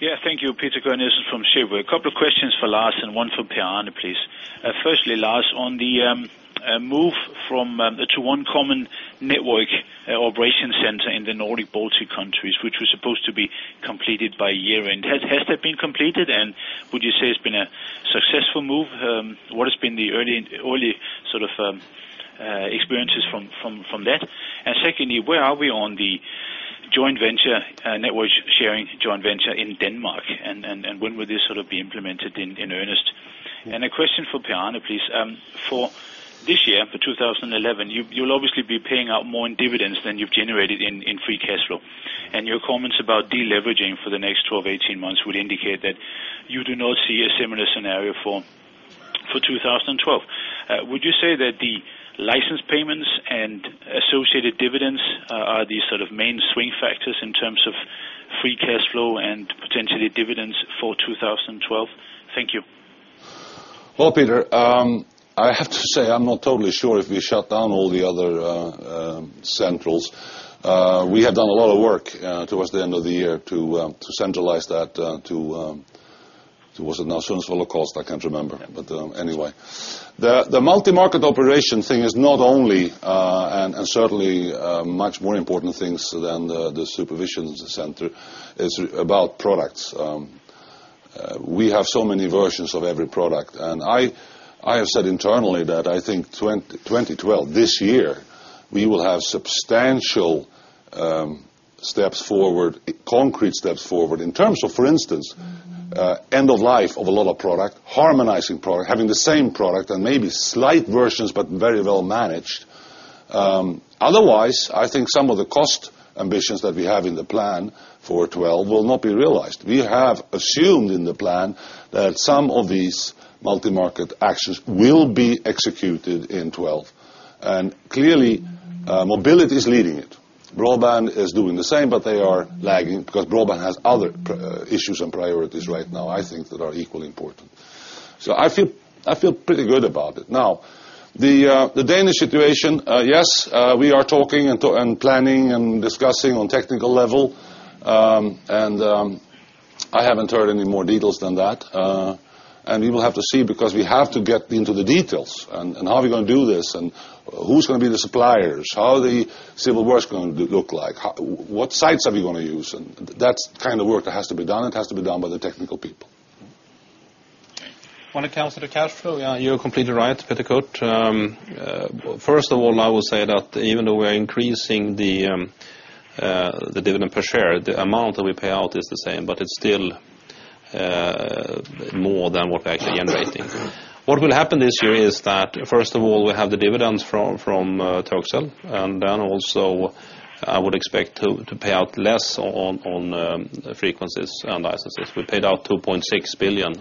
Yeah, thank you. Peter Kurt Nielsen from Cheuvreux. A couple of questions for Lars and one for Per-Arne, please. Firstly, Lars, on the move to one common network operation center in the Nordic Baltic countries, which was supposed to be completed by year end. Has that been completed? Would you say it's been a successful move? What has been the early sort of experiences from that? Secondly, where are we on the joint venture network sharing joint venture in Denmark? When will this sort of be implemented in earnest? A question for Per-Arne, please. For this year, for 2011, you'll obviously be paying out more in dividends than you've generated in free cash flow. Your comments about deleveraging for the next 12-18 months would indicate that you do not see a similar scenario for 2012. Would you say that the license payments and associated dividends are the sort of main swing factors in terms of free cash flow and potentially dividends for 2012? Thank you. Peter, I have to say I'm not totally sure if we shut down all the other centrals. We have done a lot of work towards the end of the year to centralize that to, what's it now, Suns Holocaust? I can't remember. Anyway, the multi-market operation thing is not only, and certainly much more important things than the supervision center, is about products. We have so many versions of every product. I have said internally that I think 2012, this year, we will have substantial steps forward, concrete steps forward in terms of, for instance, end of life of a lot of product, harmonizing product, having the same product, and maybe slight versions, but very well managed. Otherwise, I think some of the cost ambitions that we have in the plan for 2012 will not be realized. We have assumed in the plan that some of these multi-market actions will be executed in 2012. Clearly, mobility is leading it. Broadband is doing the same, but they are lagging because broadband has other issues and priorities right now I think that are equally important. I feel pretty good about it. Now, the Danish situation, yes, we are talking and planning and discussing on a technical level. I haven't heard any more details than that. We will have to see because we have to get into the details. How are we going to do this? Who's going to be the suppliers? How are the civil works going to look like? What sites are we going to use? That's the kind of work that has to be done. It has to be done by the technical people. When it comes to the cash flow, yeah, you're completely right, Peter Kurt. First of all, I will say that even though we are increasing the dividend per share, the amount that we pay out is the same. It's still more than what we're actually generating. What will happen this year is that, first of all, we have the dividends from Turkcell. I would expect to pay out less on frequencies and licenses. We paid out 2.6 billion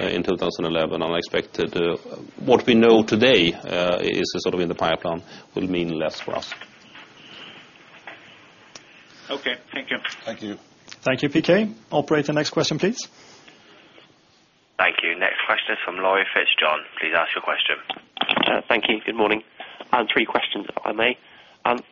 in 2011. I expect what we know today is sort of in the pipeline will mean less for us. OK, thank you. Thank you. Thank you, PK. Operator, the next question, please. Thank you. Next question is from Laurie Fitz-John. Please ask your question. Thank you. Good morning. I have three questions, if I may.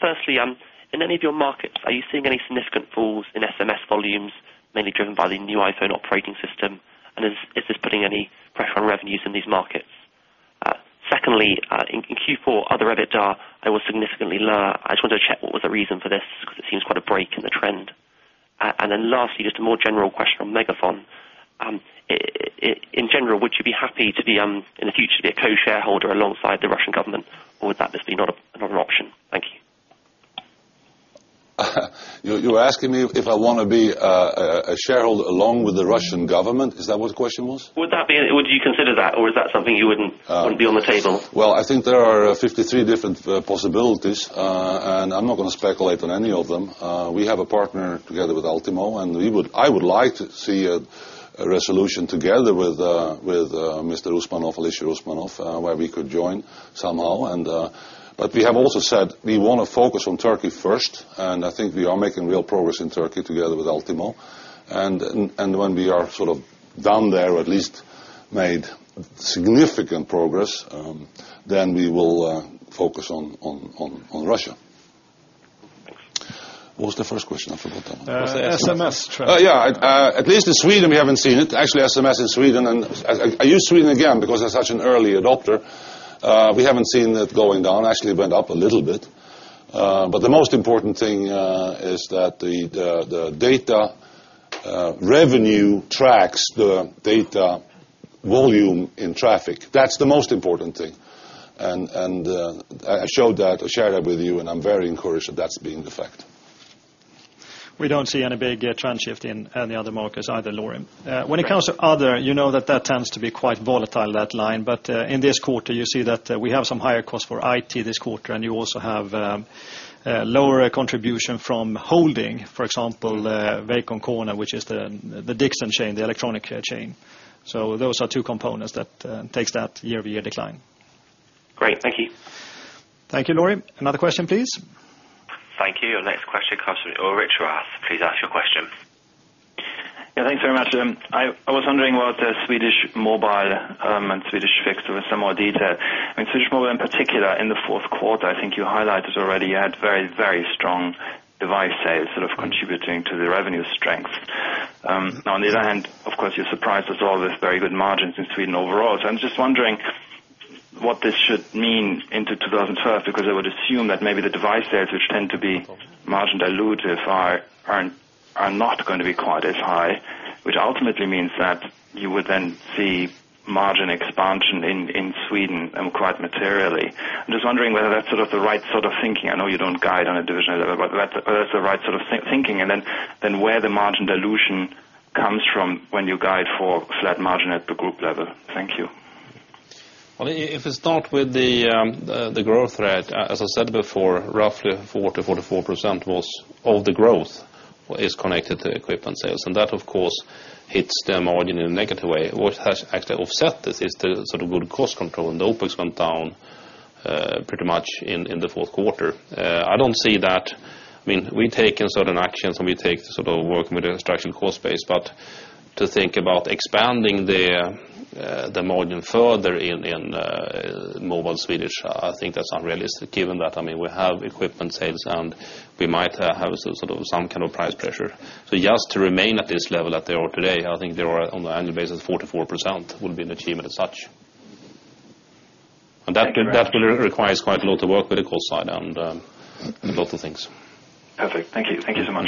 Firstly, in any of your markets, are you seeing any significant falls in SMS volumes, mainly driven by the new iPhone operating system? Is this putting any pressure on revenues in these markets? Secondly, in Q4, other EBITDA was significantly lower. I just wanted to check what was the reason for this because it seems quite a break in the trend. Lastly, just a more general question on MegaFon. In general, would you be happy to be, in the future, a co-shareholder alongside the Russian government? Would that just be not an option? Thank you. You're asking me if I want to be a shareholder along with the Russian government? Is that what the question was? Would you consider that, or is that something you wouldn't put on the table? I think there are 53 different possibilities. I'm not going to speculate on any of them. We have a partner together with Altimo. I would like to see a resolution together with Mr. Uspanov and Alicia Uspanov, where we could join somehow. We have also said we want to focus on Turkey first. I think we are making real progress in Turkey together with Altimo. When we are sort of done there, at least made significant progress, we will focus on Russia. What was the first question? I forgot that. The SMS trend. Yeah, at least in Sweden, we haven't seen it. Actually, SMS in Sweden, and I use Sweden again because they're such an early adopter, we haven't seen it going down. Actually, it went up a little bit. The most important thing is that the data revenue tracks the data volume in traffic. That's the most important thing. I showed that, I shared that with you. I'm very encouraged that that's being the fact. We don't see any big trend shift in any other markets either, Laurie. When it comes to other, you know that tends to be quite volatile, that line. In this quarter, you see that we have some higher costs for IT this quarter. You also have lower contribution from holding, for example, [Vakon Corner], which is the Dixon chain, the electronic chain. Those are two components that take that year-to-year decline. Great. Thank you. Thank you, Laurie. Another question, please. Thank you. Next question comes from Ulrich Rathe. Please ask your question. Yeah, thanks very much. I was wondering about Swedish Mobile and Swedish Fixed with some more detail. I mean, Swedish Mobile in particular, in the fourth quarter, I think you highlighted already, you had very, very strong device sales, sort of contributing to the revenue strength. Now, on the other hand, of course, you surprised us all with very good margins in Sweden overall. I'm just wondering what this should mean into 2012. I would assume that maybe the device sales, which tend to be margin dilutive, are not going to be quite as high, which ultimately means that you would then see margin expansion in Sweden quite materially. I'm just wondering whether that's sort of the right sort of thinking. I know you don't guide on a divisional level. That's the right sort of thinking. Where does the margin dilution come from when you guide for flat margin at the group level? Thank you. If we start with the growth thread, as I said before, roughly 40%-44% of the growth is connected to equipment sales. That, of course, hits the margin in a negative way. What has actually offset this is the sort of good cost control. The OpEx went down pretty much in the fourth quarter. I don't see that. I mean, we've taken certain actions. We take the sort of working with the construction cost space. To think about expanding the margin further in Mobile Swedish, I think that's unrealistic, given that, I mean, we have equipment sales. We might have sort of some kind of price pressure. Just to remain at this level that they are today, I think they are on an annual basis 44% would be an achievement as such. That requires quite a lot of work with the cost side and lots of things. Thank you. Thank you so much.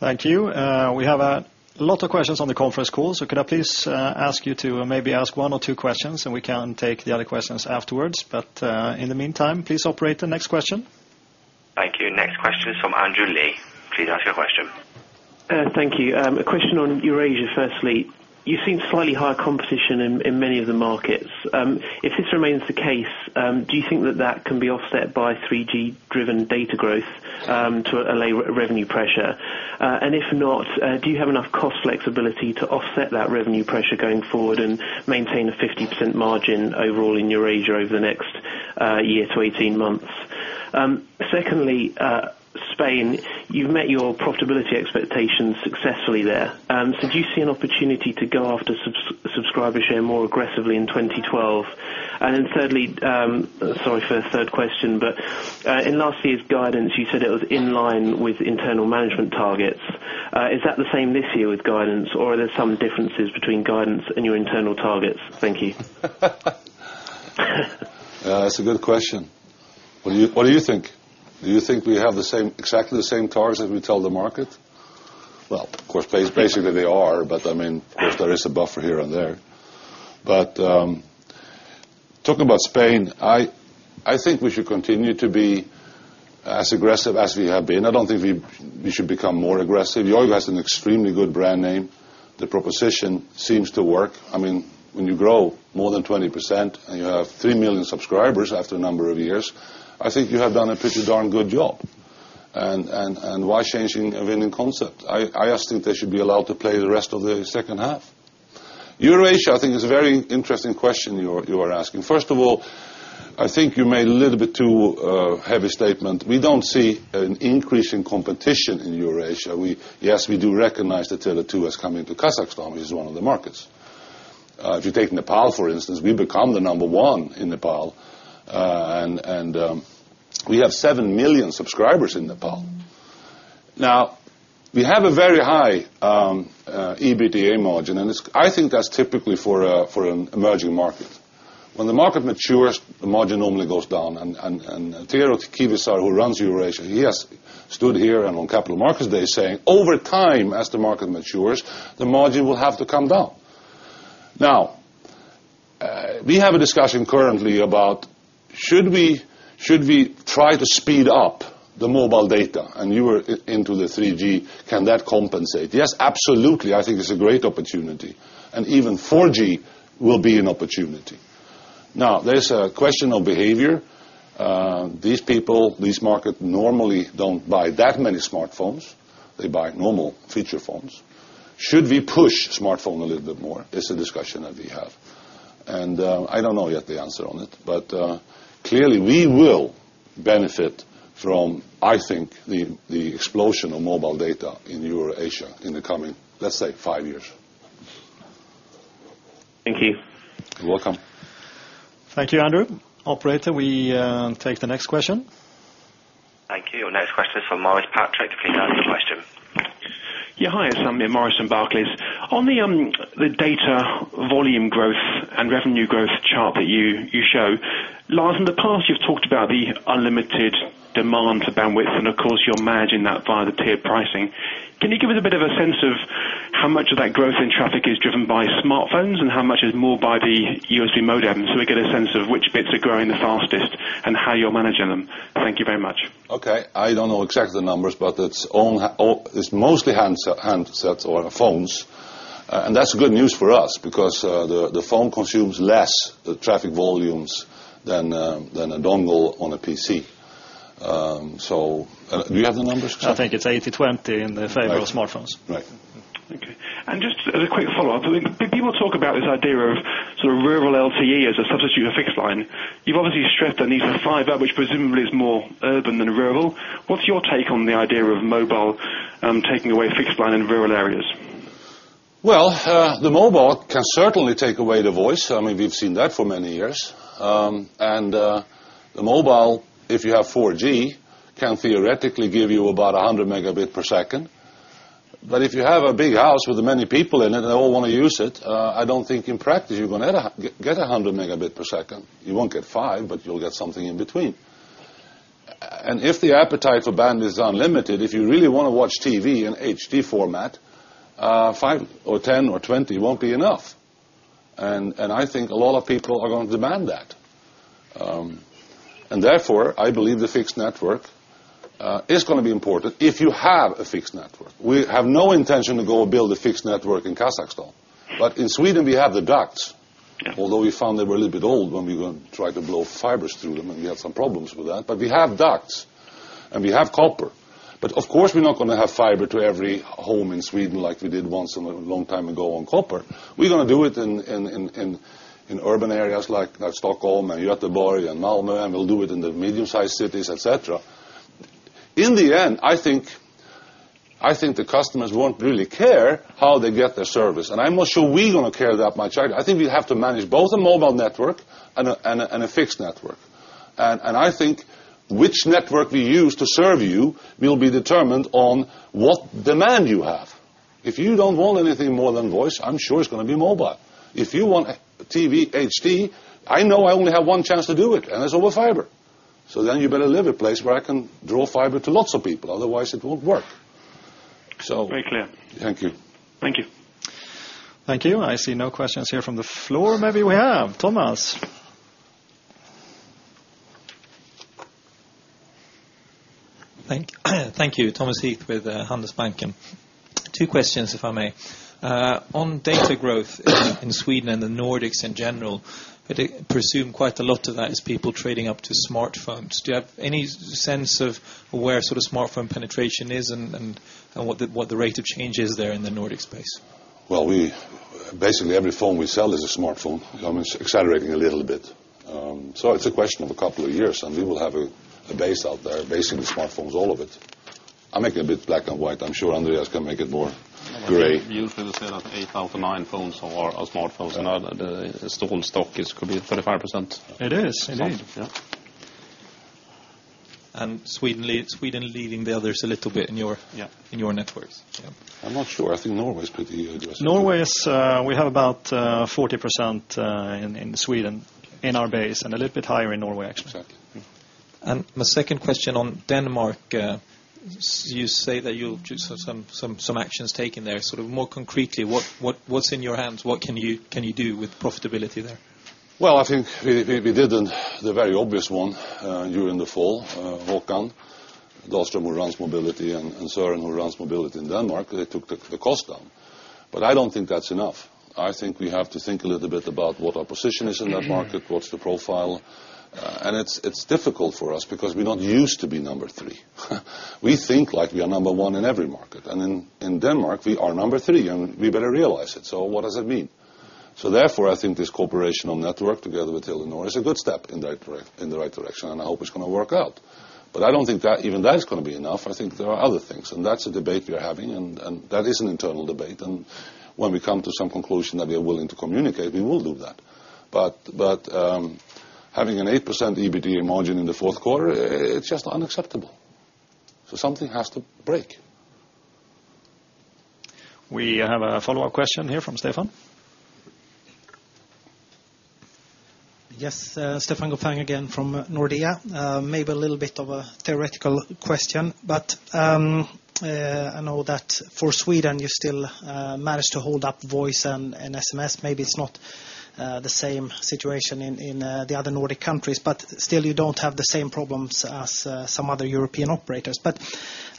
Thank you. We have a lot of questions on the conference call. Could I please ask you to maybe ask one or two questions? We can take the other questions afterwards. In the meantime, please operate the next question. Thank you. Next question is from Andrew Lee. Please ask your question. Thank you. A question on Eurasia, firstly. You've seen slightly higher competition in many of the markets. If this remains the case, do you think that that can be offset by 3G-driven data growth to allay revenue pressure? If not, do you have enough cost flexibility to offset that revenue pressure going forward and maintain a 50% margin overall in Eurasia over the next year to 18 months? Secondly, Spain, you've met your profitability expectations successfully there. Do you see an opportunity to go after subscriber share more aggressively in 2012? Thirdly, sorry for the third question, but in last year's guidance, you said it was in line with internal management targets. Is that the same this year with guidance? Are there some differences between guidance and your internal targets? Thank you. That's a good question. What do you think? Do you think we have exactly the same targets as we tell the market? Of course, basically, they are. There is a buffer here and there. Talking about Spain, I think we should continue to be as aggressive as we have been. I don't think we should become more aggressive. Yoigo has an extremely good brand name. The proposition seems to work. I mean, when you grow more than 20% and you have 3 million subscribers after a number of years, I think you have done a pretty darn good job. Why change a winning concept? I just think they should be allowed to play the rest of the second half. Eurasia, I think, is a very interesting question you are asking. First of all, I think you made a little bit too heavy a statement. We don't see an increase in competition in Eurasia. Yes, we do recognize that Tele2 is coming to Kazakhstan, which is one of the markets. If you take Nepal, for instance, we've become the number one in Nepal. We have 7 million subscribers in Nepal. We have a very high EBITDA margin. I think that's typical for an emerging market. When the market matures, the margin normally goes down. Tero Kivisar, who runs Eurasia, has stood here and on Capital Markets Day saying, over time, as the market matures, the margin will have to come down. We have a discussion currently about should we try to speed up the mobile data. You were into the 3G. Can that compensate? Yes, absolutely. I think it's a great opportunity. Even 4G will be an opportunity. Now, there's a question of behavior. These people, these markets normally don't buy that many smartphones. They buy normal feature phones. Should we push smartphones a little bit more? It's a discussion that we have. I don't know yet the answer on it. Clearly, we will benefit from, I think, the explosion of mobile data in Eurasia in the coming, let's say, five years. Thank you. You're welcome. Thank you, Andrew. Operator, we take the next question. Thank you. Next question is from Maurice Patrick. Please ask your question. Yeah, hi. It's Maurice from Barclays. On the data volume growth and revenue growth chart that you show, Lars, in the past, you've talked about the unlimited demand for bandwidth. Of course, you're managing that via the tiered pricing. Can you give us a bit of a sense of how much of that growth in traffic is driven by smartphones and how much is more by the USB modem? We get a sense of which bits are growing the fastest and how you're managing them. Thank you very much. OK. I don't know exactly the numbers. It's mostly handsets or phones. That's good news for us because the phone consumes less traffic volumes than a dongle on a PC. Do you have the numbers? I think it's 80/20 in the favor of smartphones. Right. OK. Just as a quick follow-up, people talk about this idea of sort of rural LTE as a substitute for fixed-line alternatives. You've obviously stripped the need for fiber, which presumably is more urban than rural. What's your take on the idea of mobile taking away fixed-line alternatives in rural areas? The mobile can certainly take away the voice. I mean, we've seen that for many years. The mobile, if you have 4G, can theoretically give you about 100 Mbps. If you have a big house with many people in it and they all want to use it, I don't think in practice you're going to get 100 Mbps. You won't get 5 Mbps, but you'll get something in between. If the appetite for bandwidth is unlimited, if you really want to watch TV in HD format, 5 Mbps or 10 Mbps or 20 Mbps won't be enough. I think a lot of people are going to demand that. Therefore, I believe the fixed network is going to be important if you have a fixed network. We have no intention to go build a fixed network in Kazakhstan. In Sweden, we have the ducts, although we found they were a little bit old when we tried to blow fibers through them. We had some problems with that. We have ducts, and we have copper. Of course, we're not going to have fiber to every home in Sweden like we did once a long time ago on copper. We're going to do it in urban areas like Stockholm and Göteborg and Malmö, and we'll do it in the medium-sized cities, et cetera. In the end, I think the customers won't really care how they get their service. I'm not sure we're going to care that much either. I think we have to manage both a mobile network and a fixed network. I think which network we use to serve you will be determined on what demand you have. If you don't want anything more than voice, I'm sure it's going to be mobile. If you want TV HD, I know I only have one chance to do it, and it's over fiber. Then you better live in a place where I can draw fiber to lots of people. Otherwise, it won't work. Very clear. Thank you. Thank you. Thank you. I see no questions here from the floor. Maybe we have. Thomas. Thank you. Thomas Heath with Handelsbanken. Two questions, if I may. On data growth in Sweden and the Nordics in general, I presume quite a lot of that is people trading up to smartphones. Do you have any sense of where sort of smartphone penetration is and what the rate of change is there in the Nordic space? Basically, every phone we sell is a smartphone. I'm accelerating a little bit. It's a question of a couple of years, and we will have a base out there based on the smartphones, all of it. I'm making a bit black and white. I'm sure Andreas can make it more gray. You also said that 8,000-9,000 phones are smartphones. The stolen stock could be 35%? It is. It is. Sweden is leading the others a little bit in your networks. I'm not sure. I think Norway is pretty good. Norway, we have about 40% in Sweden in our base, and a little bit higher in Norway, actually. Exactly. My second question on Denmark. You say that you have some actions taken there. More concretely, what's in your hands? What can you do with profitability there? I think we did the very obvious one during the fall, Håkan Doström who runs mobility, and Sören who runs mobility in Denmark. They took the cost down. I don't think that's enough. I think we have to think a little bit about what our position is in that market, what's the profile. It's difficult for us because we're not used to being number three. We think like we are number one in every market. In Denmark, we are number three. We better realize it. What does it mean? I think this cooperation on network together with Illinois is a good step in the right direction. I hope it's going to work out. I don't think that even that is going to be enough. I think there are other things. That's a debate we are having. That is an internal debate. When we come to some conclusion that we are willing to communicate, we will do that. Having an 8% EBITDA margin in the fourth quarter, it's just unacceptable. Something has to break. We have a follow-up question here from Stefan. Yes, Stefan Gauffin again from Nordea. Maybe a little bit of a theoretical question. I know that for Sweden, you still manage to hold up voice and SMS. Maybe it's not the same situation in the other Nordic countries. You don't have the same problems as some other European operators.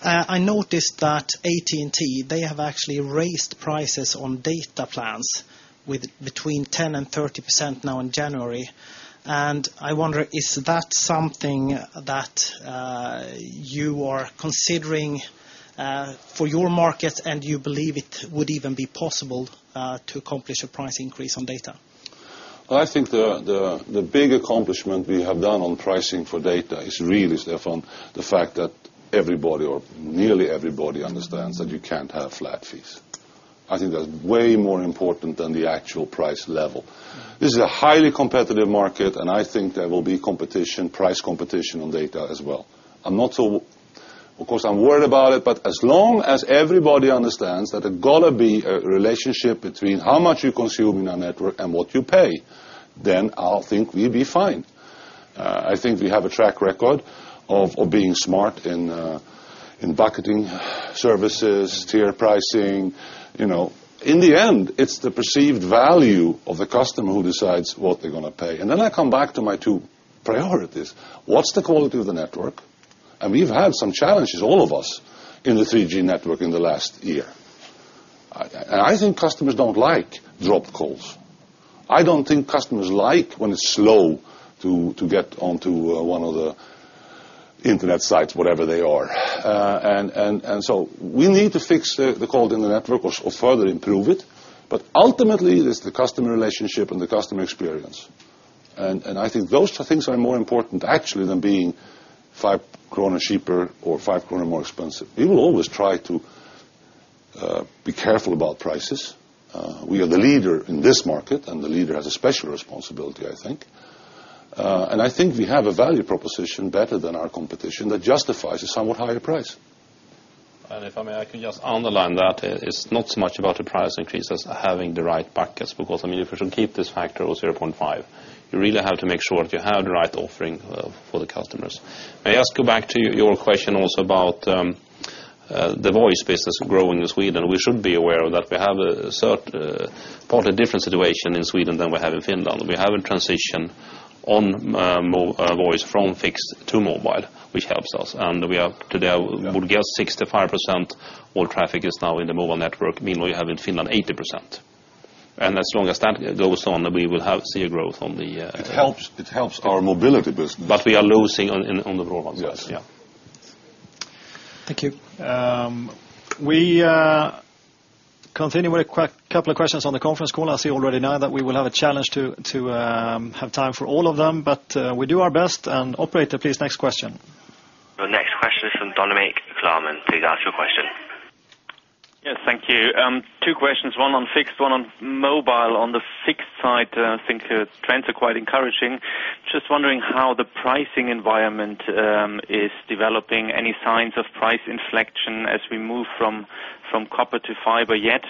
I noticed that AT&T, they have actually raised prices on data plans with between 10% and 30% now in January. I wonder, is that something that you are considering for your market? Do you believe it would even be possible to accomplish a price increase on data? I think the big accomplishment we have done on pricing for data is really, Stefan, the fact that everybody, or nearly everybody, understands that you can't have flat fees. I think that's way more important than the actual price level. This is a highly competitive market. I think there will be price competition on data as well. I'm not so, of course, I'm worried about it. As long as everybody understands that there's got to be a relationship between how much you consume in a network and what you pay, then I think we'll be fine. I think we have a track record of being smart in bucketing services, tiered pricing. In the end, it's the perceived value of the customer who decides what they're going to pay. I come back to my two priorities. What's the quality of the network? We've had some challenges, all of us, in the 3G network in the last year. I think customers don't like dropped calls. I don't think customers like when it's slow to get onto one of the internet sites, whatever they are. We need to fix the calls in the network or further improve it. Ultimately, it is the customer relationship and the customer experience. I think those things are more important, actually, than being 5 kronor cheaper or 5 kronor more expensive. We will always try to be careful about prices. We are the leader in this market. The leader has a special responsibility, I think. I think we have a value proposition better than our competition that justifies a somewhat higher price. If I may, I can just underline that it's not so much about a price increase as having the right buckets. Because, I mean, if we should keep this factor of 0.5, you really have to make sure that you have the right offering for the customers. May I just go back to your question also about the voice business growing in Sweden? We should be aware that we have a slightly different situation in Sweden than we have in Finland. We have a transition on voice from fixed to mobile, which helps us. Today, I would guess 65% of all traffic is now in the mobile network. Meanwhile, we have in Finland 80%. As long as that goes on, we will see a growth on the. It helps our mobility business. We are losing on the broadband. Yes. Thank you. We continue with a couple of questions on the conference call. I see already now that we will have a challenge to have time for all of them. We do our best. Operator, please, next question. The next question is from Dominik Klarmann. Please ask your question. Yes, thank you. Two questions, one on fixed, one on mobile. On the fixed side, I think the trends are quite encouraging. Just wondering how the pricing environment is developing. Any signs of price inflection as we move from copper to fiber yet?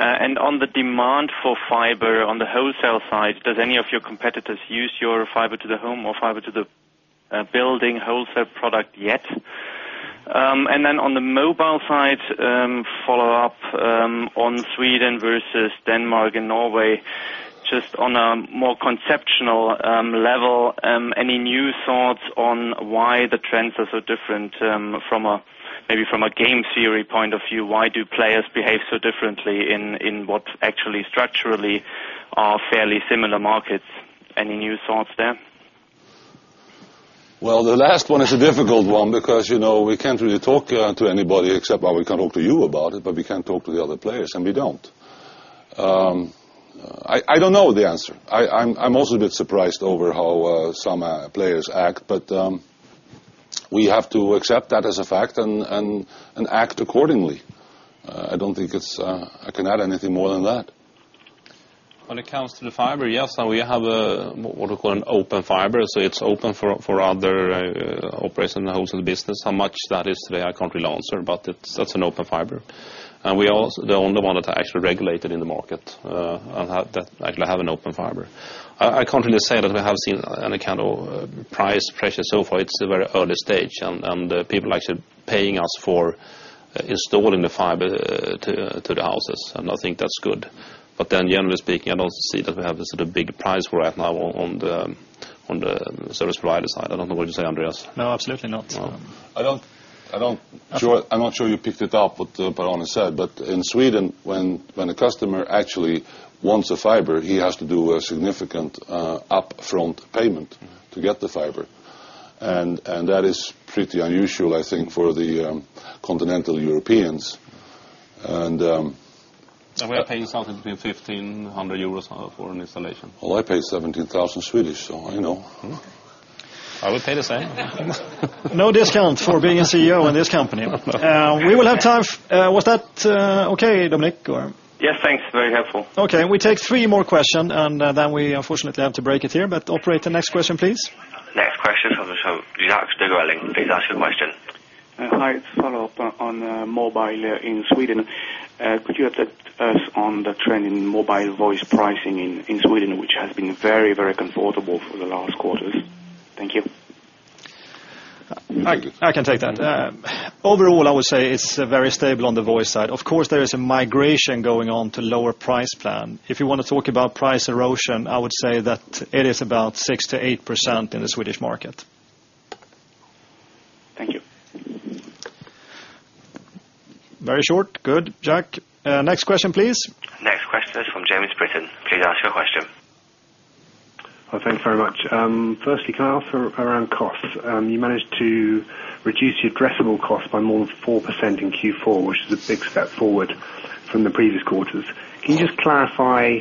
On the demand for fiber on the wholesale side, does any of your competitors use your fiber to the home or fiber to the building wholesale product yet? On the mobile side, follow-up on Sweden versus Denmark and Norway, just on a more conceptual level. Any new thoughts on why the trends are so different from maybe from a game theory point of view? Why do players behave so differently in what actually structurally are fairly similar markets? Any new thoughts there? The last one is a difficult one because we can't really talk to anybody except we can talk to you about it. We can't talk to the other players. I don't know the answer. I'm also a bit surprised over how some players act. We have to accept that as a fact and act accordingly. I don't think I can add anything more than that. When it comes to the fiber, yes, we have what we call an open fiber. It's open for other operations in the wholesale business. How much that is today, I can't really answer. That's an open fiber. We are also the only one that's actually regulated in the market and that actually has an open fiber. I can't really say that we have seen any kind of price pressure so far. It's a very early stage. People are actually paying us for installing the fiber to the houses, and I think that's good. Generally speaking, I don't see that we have this sort of big price we're at now on the service provider side. I don't know what you say, Andreas. No, absolutely not. I'm not sure you picked it up with what Per-Arne said. In Sweden, when a customer actually wants fiber, he has to do a significant upfront payment to get the fiber. That is pretty unusual, I think, for the continental Europeans. We are paying something between 1,500 euros for an installation. I pay 17,000. You know. I would say no. This sounds for being a CEO in this company. We will have time. Was that OK, Dominic? Yes, thanks. Very helpful. OK, we take three more questions, and then we unfortunately have to break it here. Operator, next question, please. Next question. Do you have to go in? Please ask your question. I'd like to follow up on mobile in Sweden. Could you update us on the trend in mobile voice pricing in Sweden, which has been very, very comfortable for the last quarters? Thank you. I can take that. Overall, I would say it's very stable on the voice side. Of course, there is a migration going on to a lower price plan. If you want to talk about price erosion, I would say that it is about 6%-8% in the Swedish market. Very short. Good, Jack. Next question, please. Next question is from James Britton. Please ask your question. Thank you very much. Firstly, can I ask around costs? You managed to reduce your addressable costs by more than 4% in Q4, which is a big step forward from the previous quarters. Can you just clarify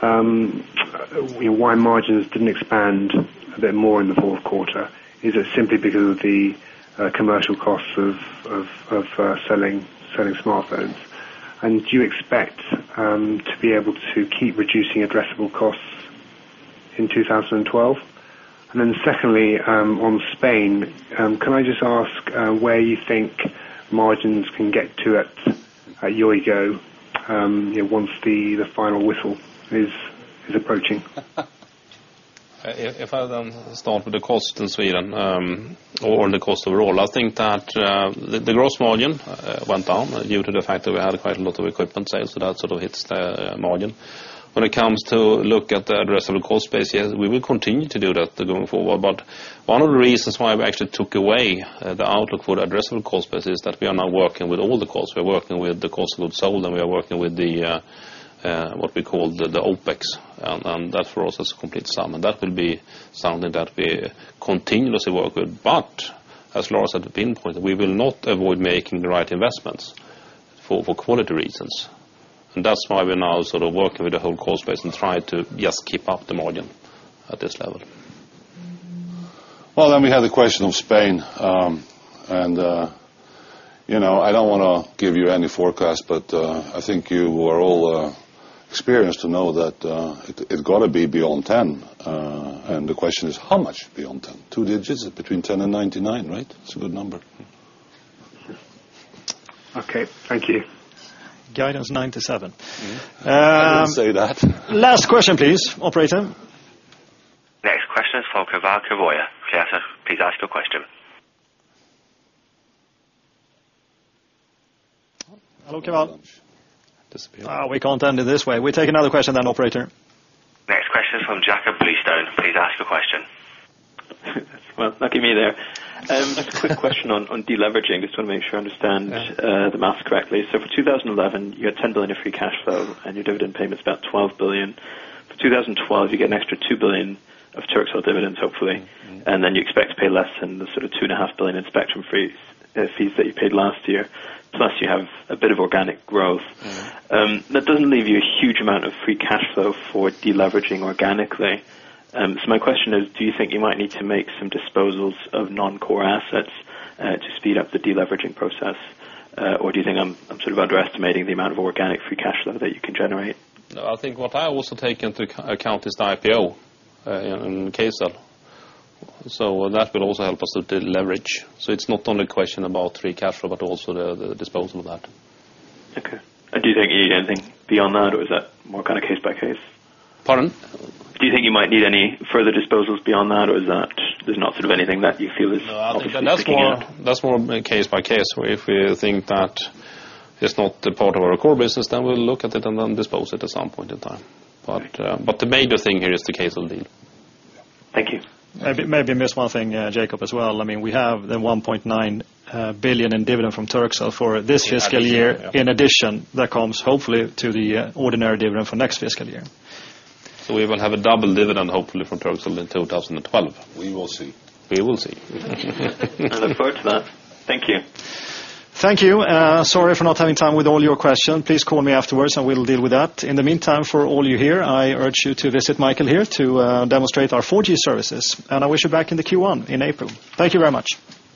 why margins didn't expand a bit more in the fourth quarter? Is it simply because of the commercial costs of selling smartphones? Do you expect to be able to keep reducing your addressable costs in 2012? Secondly, on Spain, can I just ask where you think margins can get to at Yoigo once the final whistle is approaching? If I understand for the cost in Sweden or the cost overall, I think that the gross margin went down due to the fact that we had quite a lot of equipment sales. That sort of hits the margin. When it comes to look at the addressable cost base, yes, we will continue to do that going forward. One of the reasons why we actually took away the outlook for the addressable cost base is that we are now working with all the costs. We are working with the cost of goods sold, and we are working with what we call the OpEx. That, for us, is a complete sum, and that will be something that we continuously work with. As Lars had pinpointed, we will not avoid making the right investments for quality reasons. That is why we're now sort of working with the whole cost base and try to just keep up the margin at this level. The question of Spain. I don't want to give you any forecast. I think you are all experienced to know that it's got to be beyond 10. The question is, how much beyond 10? Two digits between 10 and 99, right? It's a good number. OK, thank you. Guidance 97. Say that. Last question, please, operator. Next question is for Keval Khiroya. Keval, please ask your question. Hello, Keval. Disappeared. We can't end it this way. We take another question then, operator. Next question is from Jakob Bluestone. Please ask your question. Lucky me there. Just a quick question on deleveraging. I just want to make sure I understand the math correctly. For 2011, you had 10 billion in free cash flow, and your dividend payment is about 12 billion. For 2012, you get an extra 2 billion of Turkcell dividends, hopefully. You expect to pay less than the sort of 2.5 billion in spectrum fees that you paid last year. Plus, you have a bit of organic growth. That doesn't leave you a huge amount of free cash flow for deleveraging organically. My question is, do you think you might need to make some disposals of non-core assets to speed up the deleveraging process? Do you think I'm sort of underestimating the amount of organic free cash flow that you can generate? I think what I also take into account is the IPO in Kcell. That will also help us to deleverage. It's not only a question about free cash flow, but also the disposal of that. Do you think you need anything beyond that, or is that more kind of case by case? Pardon? Do you think you might need any further disposals beyond that, or is that there's not sort of anything that you feel is necessary? That's more case by case. If we think that it's not a part of our core business, then we'll look at it and then dispose of it at some point in time. The major thing here is the Kcell deal. Thank you. Maybe I missed one thing, Jakob, as well. I mean, we have the 1.9 billion in dividend from Turkcell for this fiscal year. In addition, that comes hopefully to the ordinary dividend for next fiscal year. We will have a double dividend, hopefully, from Turkcell in 2012. We will see. We will see. I look forward to that. Thank you. Thank you. Sorry for not having time with all your questions. Please call me afterwards, and we'll deal with that. In the meantime, for all you here, I urge you to visit Michael here to demonstrate our 4G services. I wish you back in the Q1 in April. Thank you very much.